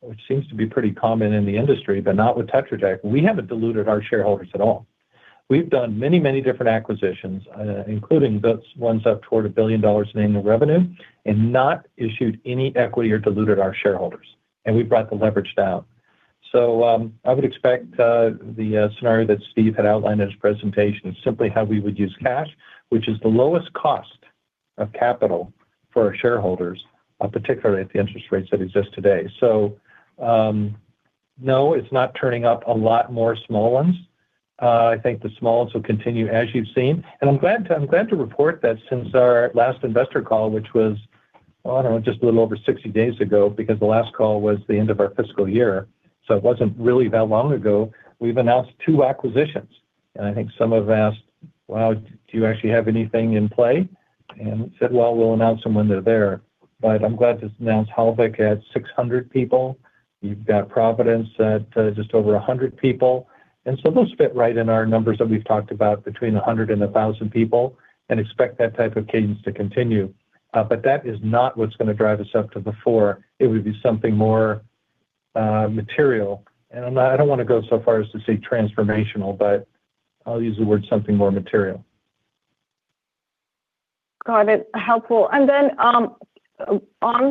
which seems to be pretty common in the industry, but not with Tetra Tech. We haven't diluted our shareholders at all. We've done many, many different acquisitions, including those ones up toward $1 billion in annual revenue, and not issued any equity or diluted our shareholders, and we've brought the leverage down. So, I would expect, the scenario that Steve had outlined in his presentation is simply how we would use cash, which is the lowest cost of capital for our shareholders, particularly at the interest rates that exist today. So, no, it's not turning up a lot more small ones. I think the small ones will continue as you've seen. And I'm glad to, I'm glad to report that since our last investor call, which was. Well, I don't know, just a little over 60 days ago, because the last call was the end of our fiscal year, so it wasn't really that long ago. We've announced two acquisitions, and I think some have asked: "Well, do you actually have anything in play?" And we said, "Well, we'll announce them when they're there." But I'm glad to announce Halvik has 600 people. We've got Providence at just over 100 people. And so those fit right in our numbers that we've talked about, between 100 and 1,000 people, and expect that type of cadence to continue. But that is not what's gonna drive us up to the 4x. It would be something more material. And I, I don't wanna go so far as to say transformational, but I'll use the word something more material. Got it. Helpful. And then on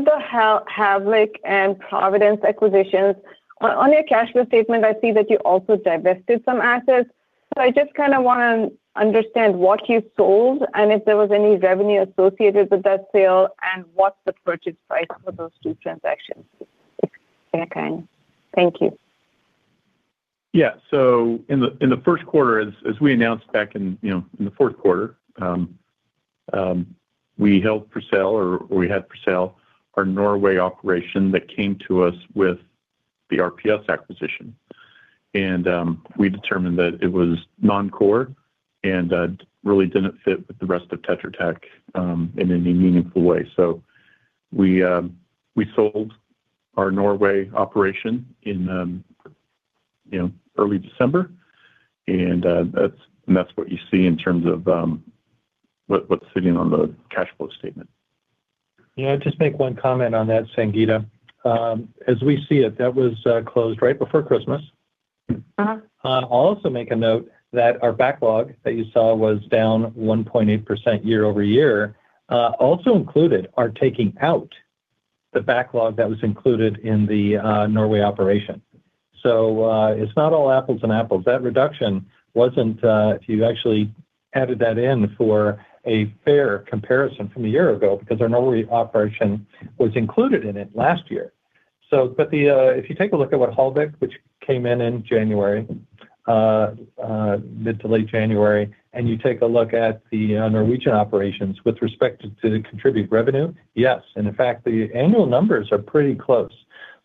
the Halvik and Providence acquisitions, on your cash flow statement, I see that you also divested some assets. So I just kinda wanna understand what you sold, and if there was any revenue associated with that sale, and what's the purchase price for those two transactions? Okay, thank you. Yeah. So in the first quarter, as we announced back in, you know, in the fourth quarter, we held for sale or we had for sale our Norway operation that came to us with the RPS acquisition. And we determined that it was non-core and really didn't fit with the rest of Tetra Tech in any meaningful way. So we sold our Norway operation in, you know, early December, and that's what you see in terms of what's sitting on the cash flow statement. Yeah, just make one comment on that, Sangita. As we see it, that was closed right before Christmas. Uh-huh. I'll also make a note that our backlog that you saw was down 1.8% year-over-year, also included our taking out the backlog that was included in the Norway operation. So, it's not all apples and apples. That reduction wasn't, if you actually added that in for a fair comparison from a year ago, because our Norway operation was included in it last year. So but the... If you take a look at what Halvik, which came in in January, mid- to late-January, and you take a look at the Norwegian operations with respect to, did it contribute revenue? Yes, and in fact, the annual numbers are pretty close.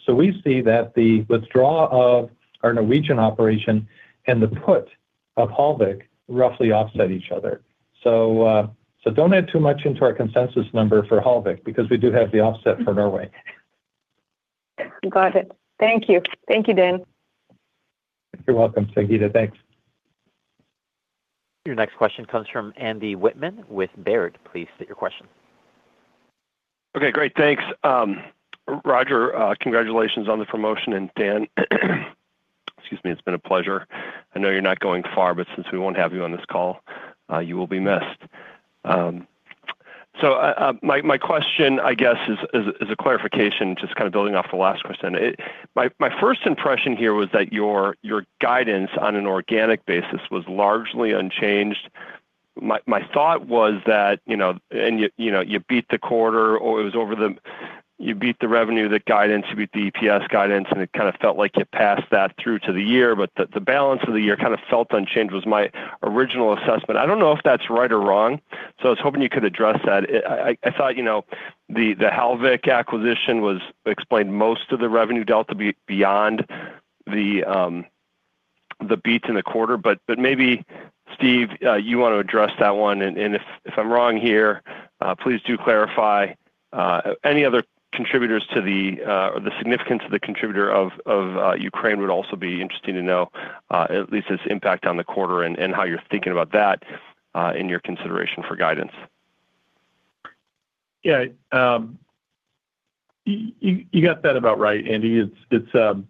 So we see that the withdrawal of our Norwegian operation and the put of Halvik roughly offset each other. Don't add too much into our consensus number for Halvik, because we do have the offset for Norway. Got it. Thank you. Thank you, Dan. You're welcome, Sangita. Thanks. Your next question comes from Andy Wittmann with Baird. Please state your question. Okay, great. Thanks. Roger, congratulations on the promotion, and Dan, excuse me, it's been a pleasure. I know you're not going far, but since we won't have you on this call, you will be missed. So, my question, I guess, is a clarification, just kind of building off the last question. My first impression here was that your guidance on an organic basis was largely unchanged. My thought was that, you know, and you know, you beat the quarter, you beat the revenue guidance, you beat the EPS guidance, and it kind of felt like you passed that through to the year. But the balance of the year kind of felt unchanged. That was my original assessment. I don't know if that's right or wrong, so I was hoping you could address that. I thought, you know, the Halvik acquisition was explained most of the revenue delta beyond the beats in the quarter. But maybe, Steve, you want to address that one, and if I'm wrong here, please do clarify. Any other contributors to the or the significance of the contributor of Ukraine would also be interesting to know, at least its impact on the quarter and how you're thinking about that in your consideration for guidance. Yeah, you got that about right, Andy. It's...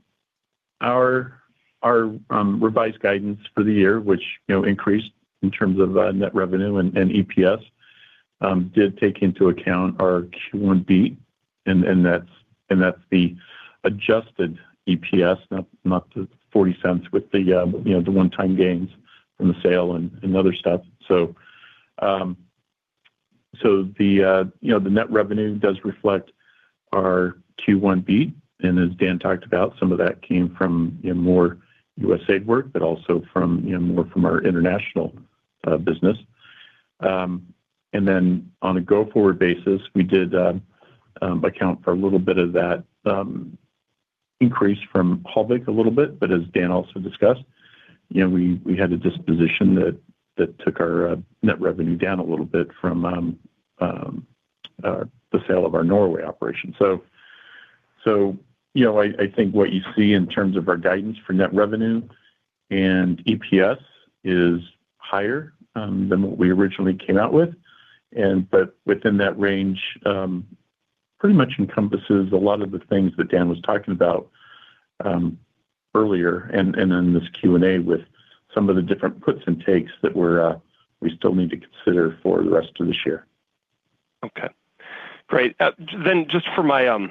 Our revised guidance for the year, which, you know, increased in terms of net revenue and EPS, did take into account our Q1 beat, and that's the adjusted EPS, not the $0.40 with the, you know, the one-time gains from the sale and other stuff. So, the, you know, the net revenue does reflect our Q1 beat, and as Dan talked about, some of that came from, you know, more USAID work, but also from, you know, more from our international business. And then on a go-forward basis, we did account for a little bit of that increase from Halvik a little bit, but as Dan also discussed, you know, we, we had a disposition that, that took our net revenue down a little bit from the sale of our Norway operation. So, you know, I, I think what you see in terms of our guidance for net revenue and EPS is higher than what we originally came out with. And but within that range, pretty much encompasses a lot of the things that Dan was talking about earlier, and, and in this Q&A with some of the different puts and takes that we're, we still need to consider for the rest of this year. Okay, great. Then just for my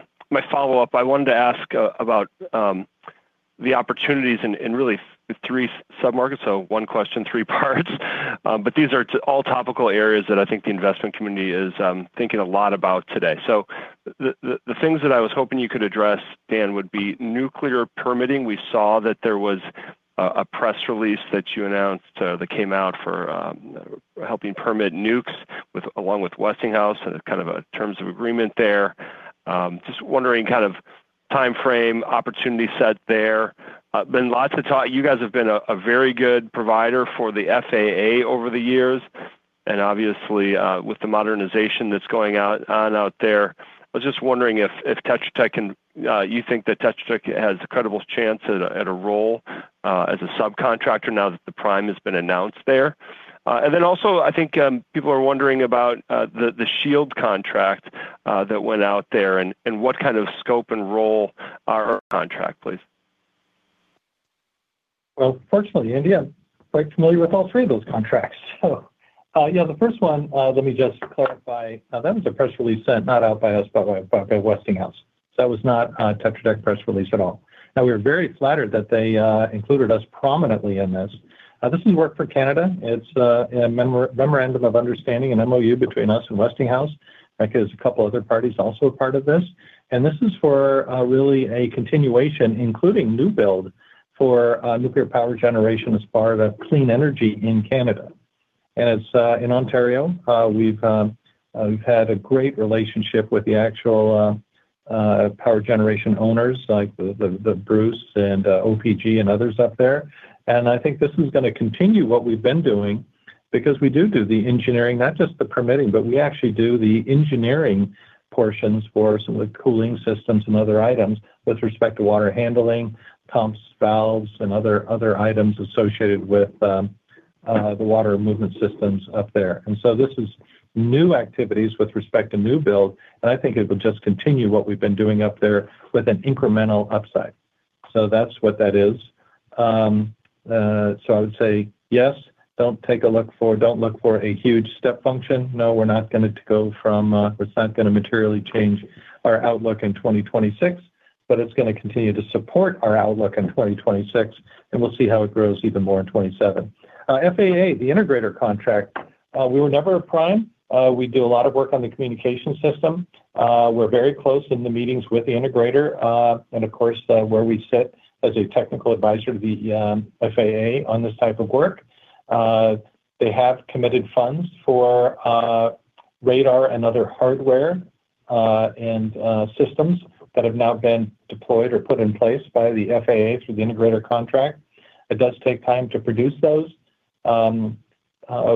follow-up, I wanted to ask about the opportunities in really three submarkets, so one question, three parts. But these are all topical areas that I think the investment community is thinking a lot about today. So the things that I was hoping you could address, Dan, would be nuclear permitting. We saw that there was a press release that you announced that came out for helping permit nukes with along with Westinghouse, and kind of a terms of agreement there. Just wondering kind of time frame, opportunity set there. Been lots of talk. You guys have been a very good provider for the FAA over the years, and obviously, with the modernization that's going out there, I was just wondering if you think that Tetra Tech has a credible chance at a role as a subcontractor now that the prime has been announced there? And then also, I think people are wondering about the SHIELD contract that went out there and what kind of scope and role are our contract, please? Well, fortunately, Andy, I'm quite familiar with all three of those contracts. So yeah, the first one, let me just clarify. That was a press release sent not out by us, but by Westinghouse. So that was not a Tetra Tech press release at all. Now, we were very flattered that they included us prominently in this. This is work for Canada. It's a memorandum of understanding, an MOU between us and Westinghouse. I think there's a couple other parties also a part of this, and this is for really a continuation, including new build, for nuclear power generation as part of clean energy in Canada. And it's in Ontario. We've had a great relationship with the actual power generation owners like the Bruce and OPG and others up there. And I think this is gonna continue what we've been doing because we do do the engineering, not just the permitting, but we actually do the engineering portions for some of the cooling systems and other items with respect to water handling, pumps, valves, and other, other items associated with the water movement systems up there. And so this is new activities with respect to new build, and I think it will just continue what we've been doing up there with an incremental upside. So that's what that is. So I would say yes, don't take a look for-- don't look for a huge step function. No, we're not gonna go from, it's not gonna materially change our outlook in 2026, but it's gonna continue to support our outlook in 2026, and we'll see how it grows even more in 2027. FAA, the integrator contract, we were never a prime. We do a lot of work on the communication system. We're very close in the meetings with the integrator, and of course, where we sit as a technical advisor to the FAA on this type of work. They have committed funds for radar and other hardware, and systems that have now been deployed or put in place by the FAA through the integrator contract. It does take time to produce those.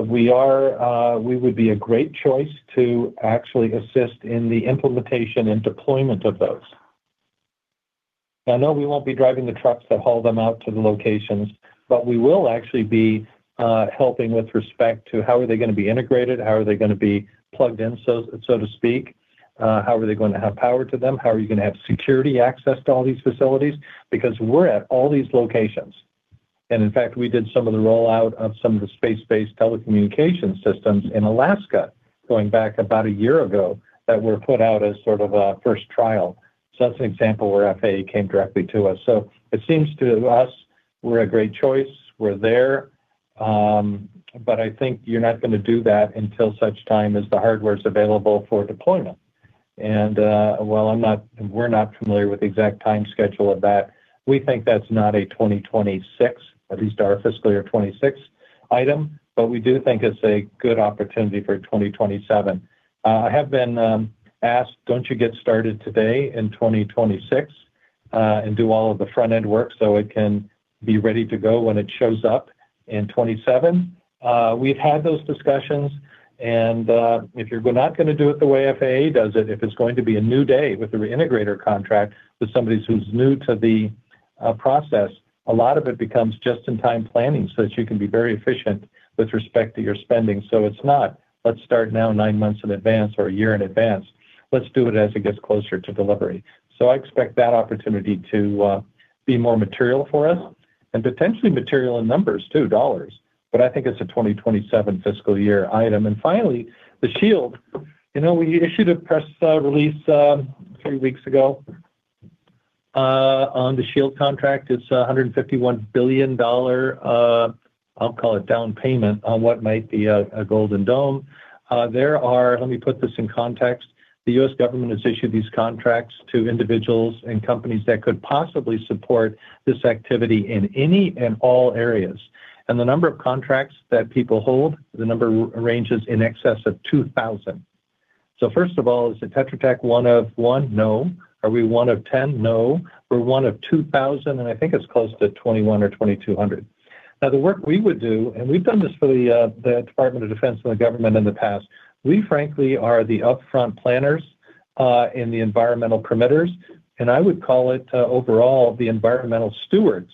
We would be a great choice to actually assist in the implementation and deployment of those. I know we won't be driving the trucks that haul them out to the locations, but we will actually be helping with respect to how are they gonna be integrated, how are they gonna be plugged in, so to speak? How are they gonna have power to them? How are you gonna have security access to all these facilities? Because we're at all these locations. And in fact, we did some of the rollout of some of the space-based telecommunication systems in Alaska going back about a year ago, that were put out as sort of a first trial. So that's an example where FAA came directly to us. So it seems to us we're a great choice, we're there, but I think you're not gonna do that until such time as the hardware is available for deployment. And, while we're not familiar with the exact time schedule of that, we think that's not a 2026, at least our fiscal year 2026 item, but we do think it's a good opportunity for 2027. I have been asked, "Don't you get started today in 2026, and do all of the front-end work so it can be ready to go when it shows up in 2027?" We've had those discussions and, if you're not gonna do it the way FAA does it, if it's going to be a new day with the reintegrator contract, with somebody who's new to the process, a lot of it becomes just-in-time planning, so that you can be very efficient with respect to your spending. So it's not, "Let's start now nine months in advance or a year in advance." Let's do it as it gets closer to delivery. So I expect that opportunity to be more material for us and potentially material in numbers too, dollars, but I think it's a 2027 fiscal year item. And finally, the SHIELD contract. You know, we issued a press release a few weeks ago on the SHIELD contract. It's a $151 billion dollar, I'll call it down payment on what might be a golden dome. There are... Let me put this in context. The U.S. government has issued these contracts to individuals and companies that could possibly support this activity in any and all areas. And the number of contracts that people hold, the number ranges in excess of 2,000. So first of all, is the Tetra Tech one of one? No. Are we one of 10? No. We're one of 2,000, and I think it's close to 2,100 or 2,200. Now, the work we would do, and we've done this for the, the Department of Defense and the government in the past, we frankly are the upfront planners, and the environmental permitters, and I would call it, overall, the environmental stewards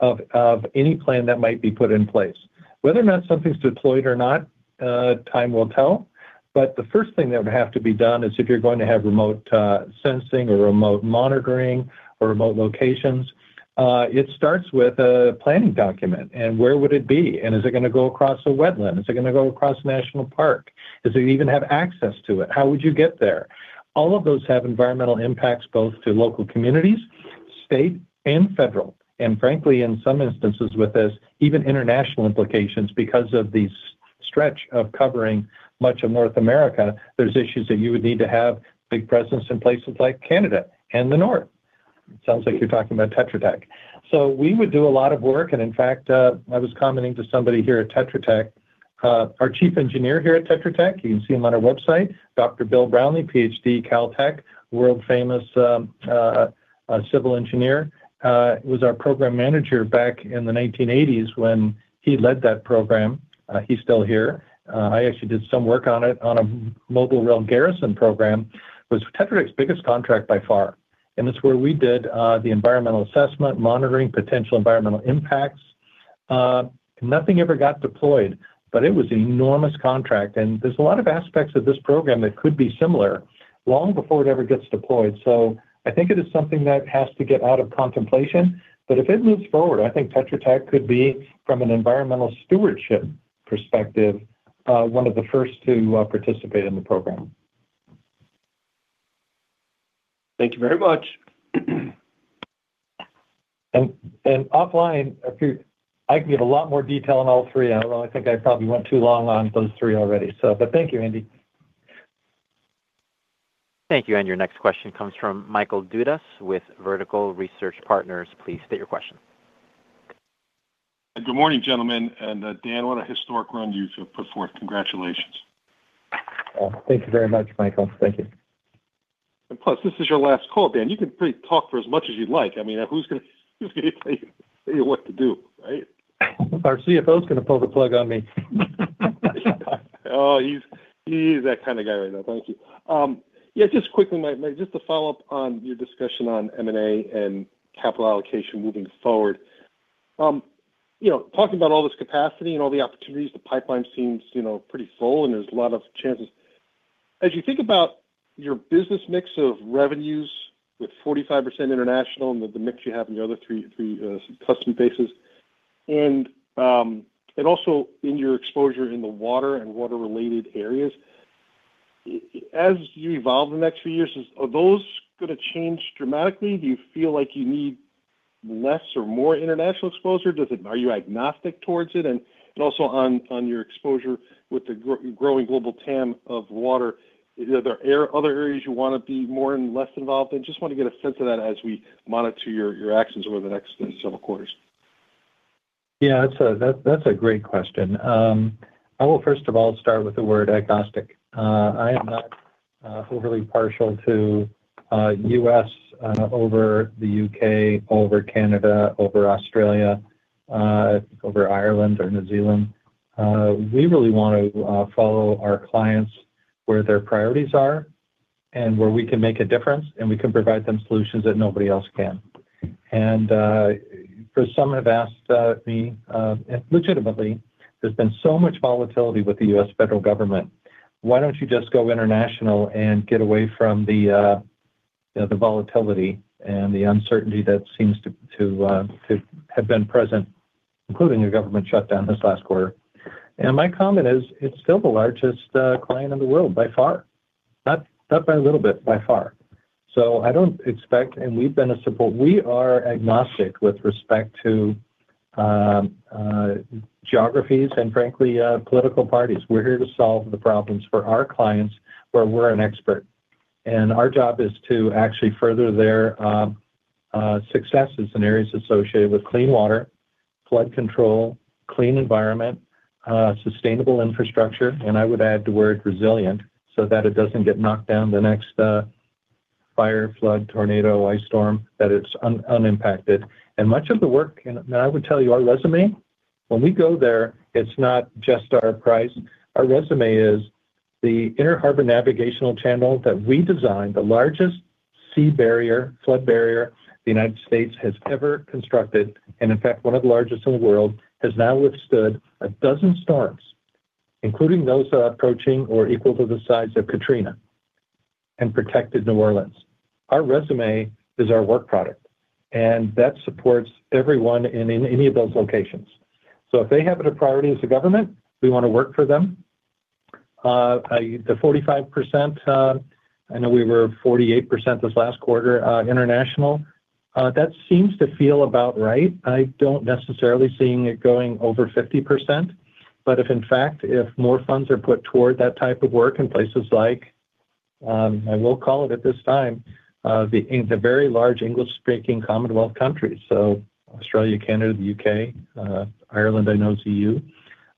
of any plan that might be put in place. Whether or not something's deployed or not, time will tell. But the first thing that would have to be done is if you're going to have remote sensing or remote monitoring or remote locations, it starts with a planning document and where would it be, and is it gonna go across a wetland? Is it gonna go across national park? Does it even have access to it? How would you get there? All of those have environmental impacts, both to local communities, state and federal, and frankly, in some instances with this, even international implications, because of these stretch of covering much of North America. There's issues that you would need to have big presence in places like Canada and the North. Sounds like you're talking about Tetra Tech. So we would do a lot of work, and in fact, I was commenting to somebody here at Tetra Tech. Our Chief Engineer here at Tetra Tech, you can see him on our website, Dr. Bill Brownlie, Ph.D., Caltech, world-famous civil engineer, was our program manager back in the 1980s when he led that program. He's still here. I actually did some work on it on a mobile rail garrison program, was Tetra Tech's biggest contract by far. And it's where we did the environmental assessment, monitoring, potential environmental impacts. Nothing ever got deployed, but it was an enormous contract, and there's a lot of aspects of this program that could be similar long before it ever gets deployed. So I think it is something that has to get out of contemplation. But if it moves forward, I think Tetra Tech could be, from an environmental stewardship perspective, one of the first to participate in the program. Thank you very much. Offline, if you—I can give a lot more detail on all three. I don't think I probably went too long on those three already, so. But thank you, Andy. Thank you, and your next question comes from Michael Dudas with Vertical Research Partners. Please state your question. Good morning, gentlemen. And, Dan, what a historic run you have put forth. Congratulations! Well, thank you very much, Michael. Thank you. Plus, this is your last call, Dan. You can pretty much talk for as much as you'd like. I mean, who's gonna tell you what to do, right? Our CFO is gonna pull the plug on me. Oh, he's that kind of guy right now. Thank you. Yeah, just quickly, might just to follow up on your discussion on M&A and capital allocation moving forward. You know, talking about all this capacity and all the opportunities, the pipeline seems pretty full, and there's a lot of chances. As you think about your business mix of revenues with 45% international and the mix you have in the other three customer bases, and also in your exposure in the water and water-related areas, as you evolve in the next few years, are those gonna change dramatically? Do you feel like you need less or more international exposure? Does it? Are you agnostic towards it? And also on your exposure with the growing global TAM of water, are there other areas you want to be more and less involved in? Just want to get a sense of that as we monitor your actions over the next several quarters. Yeah, that's a, that's a great question. I will first of all start with the word agnostic. I am not overly partial to U.S. over the U.K., over Canada, over Australia, over Ireland or New Zealand. We really want to follow our clients where their priorities are and where we can make a difference, and we can provide them solutions that nobody else can. And for some have asked me legitimately, there's been so much volatility with the U.S. federal government. Why don't you just go international and get away from the volatility and the uncertainty that seems to have been present, including a government shutdown this last quarter? And my comment is, it's still the largest client in the world, by far. Not, not by a little bit, by far. So I don't expect, and we've been a support. We are agnostic with respect to, geographies and frankly, political parties. We're here to solve the problems for our clients, where we're an expert. And our job is to actually further their, successes in areas associated with clean water, flood control, clean environment, sustainable infrastructure, and I would add the word resilient so that it doesn't get knocked down the next, fire, flood, tornado, ice storm, that it's unimpacted. And much of the work, and I would tell you, our resume, when we go there, it's not just our price. Our resume is the Inner Harbor Navigational Channel that we designed, the largest sea barrier, flood barrier, the United States has ever constructed, and in fact, one of the largest in the world, has now withstood a dozen storms, including those approaching or equal to the size of Katrina and protected New Orleans. Our resume is our work product, and that supports everyone in any of those locations. So if they have it a priority as a government, we want to work for them. The 45%, I know we were 48% this last quarter, international. That seems to feel about right. I don't necessarily seeing it going over 50%, but if in fact, more funds are put toward that type of work in places like, I will call it at this time, the very large English-speaking Commonwealth countries, so Australia, Canada, the U.K., Ireland, I know, EU,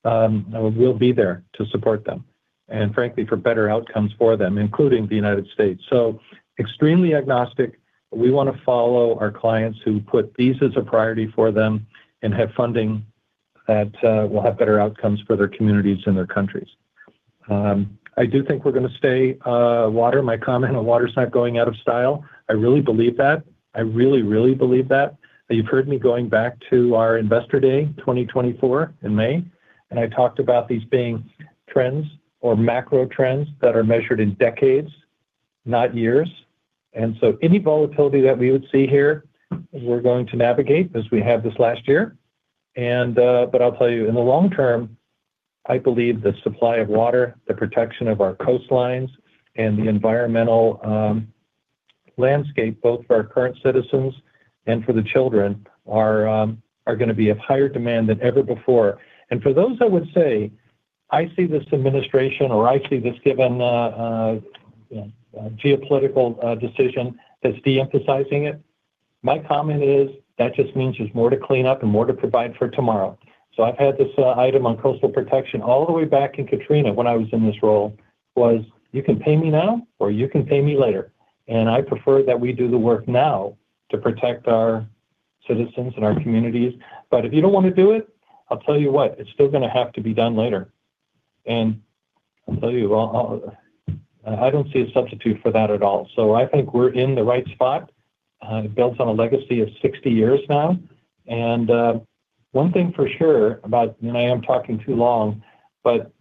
we'll be there to support them and frankly, for better outcomes for them, including the United States. So extremely agnostic. We want to follow our clients who put this as a priority for them and have funding that, will have better outcomes for their communities and their countries. I do think we're gonna stay, water. My comment on water is not going out of style. I really believe that. I really, really believe that. You've heard me going back to our Investor Day, 2024 in May, and I talked about these being trends or macro trends that are measured in decades, not years. And so any volatility that we would see here, we're going to navigate as we have this last year. And, but I'll tell you, in the long term, I believe the supply of water, the protection of our coastlines, and the environmental landscape, both for our current citizens and for the children, are gonna be of higher demand than ever before. And for those that would say, "I see this administration, or I see this given geopolitical decision as de-emphasizing it," my comment is: That just means there's more to clean up and more to provide for tomorrow. So I've had this item on coastal protection all the way back in Katrina, when I was in this role, was, "You can pay me now, or you can pay me later." And I prefer that we do the work now to protect our citizens and our communities. But if you don't wanna do it, I'll tell you what, it's still gonna have to be done later. And I'll tell you, well, I, I don't see a substitute for that at all. So I think we're in the right spot, it builds on a legacy of 60 years now. And one thing for sure about, and I am talking too long, but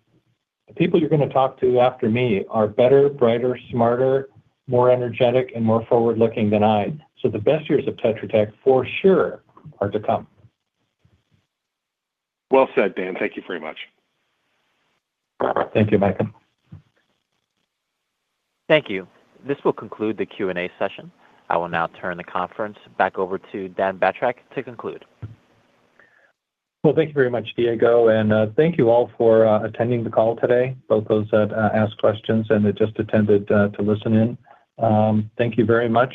the people you're gonna talk to after me are better, brighter, smarter, more energetic, and more forward-looking than I. So the best years of Tetra Tech, for sure, are to come. Well said, Dan. Thank you very much. Thank you, Michael. Thank you. This will conclude the Q&A session. I will now turn the conference back over to Dan Batrack to conclude. Well, thank you very much, Diego, and thank you all for attending the call today, both those that asked questions and that just attended to listen in. Thank you very much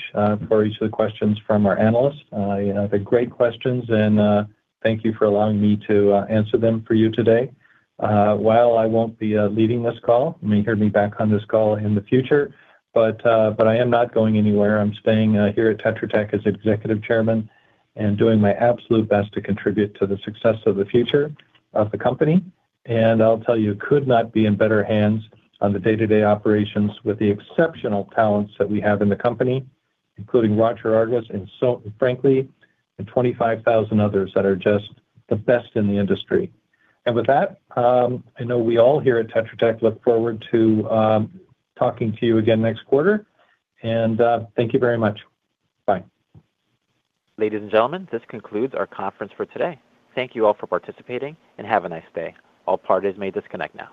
for each of the questions from our analysts. You know, they're great questions, and thank you for allowing me to answer them for you today. While I won't be leading this call, you may hear me back on this call in the future, but I am not going anywhere. I'm staying here at Tetra Tech as executive chairman and doing my absolute best to contribute to the success of the future of the company. And I'll tell you, it could not be in better hands on the day-to-day operations with the exceptional talents that we have in the company, including Roger Argus, and so frankly, and 25,000 others that are just the best in the industry. And with that, I know we all here at Tetra Tech look forward to talking to you again next quarter. And, thank you very much. Bye. Ladies and gentlemen, this concludes our conference for today. Thank you all for participating, and have a nice day. All parties may disconnect now.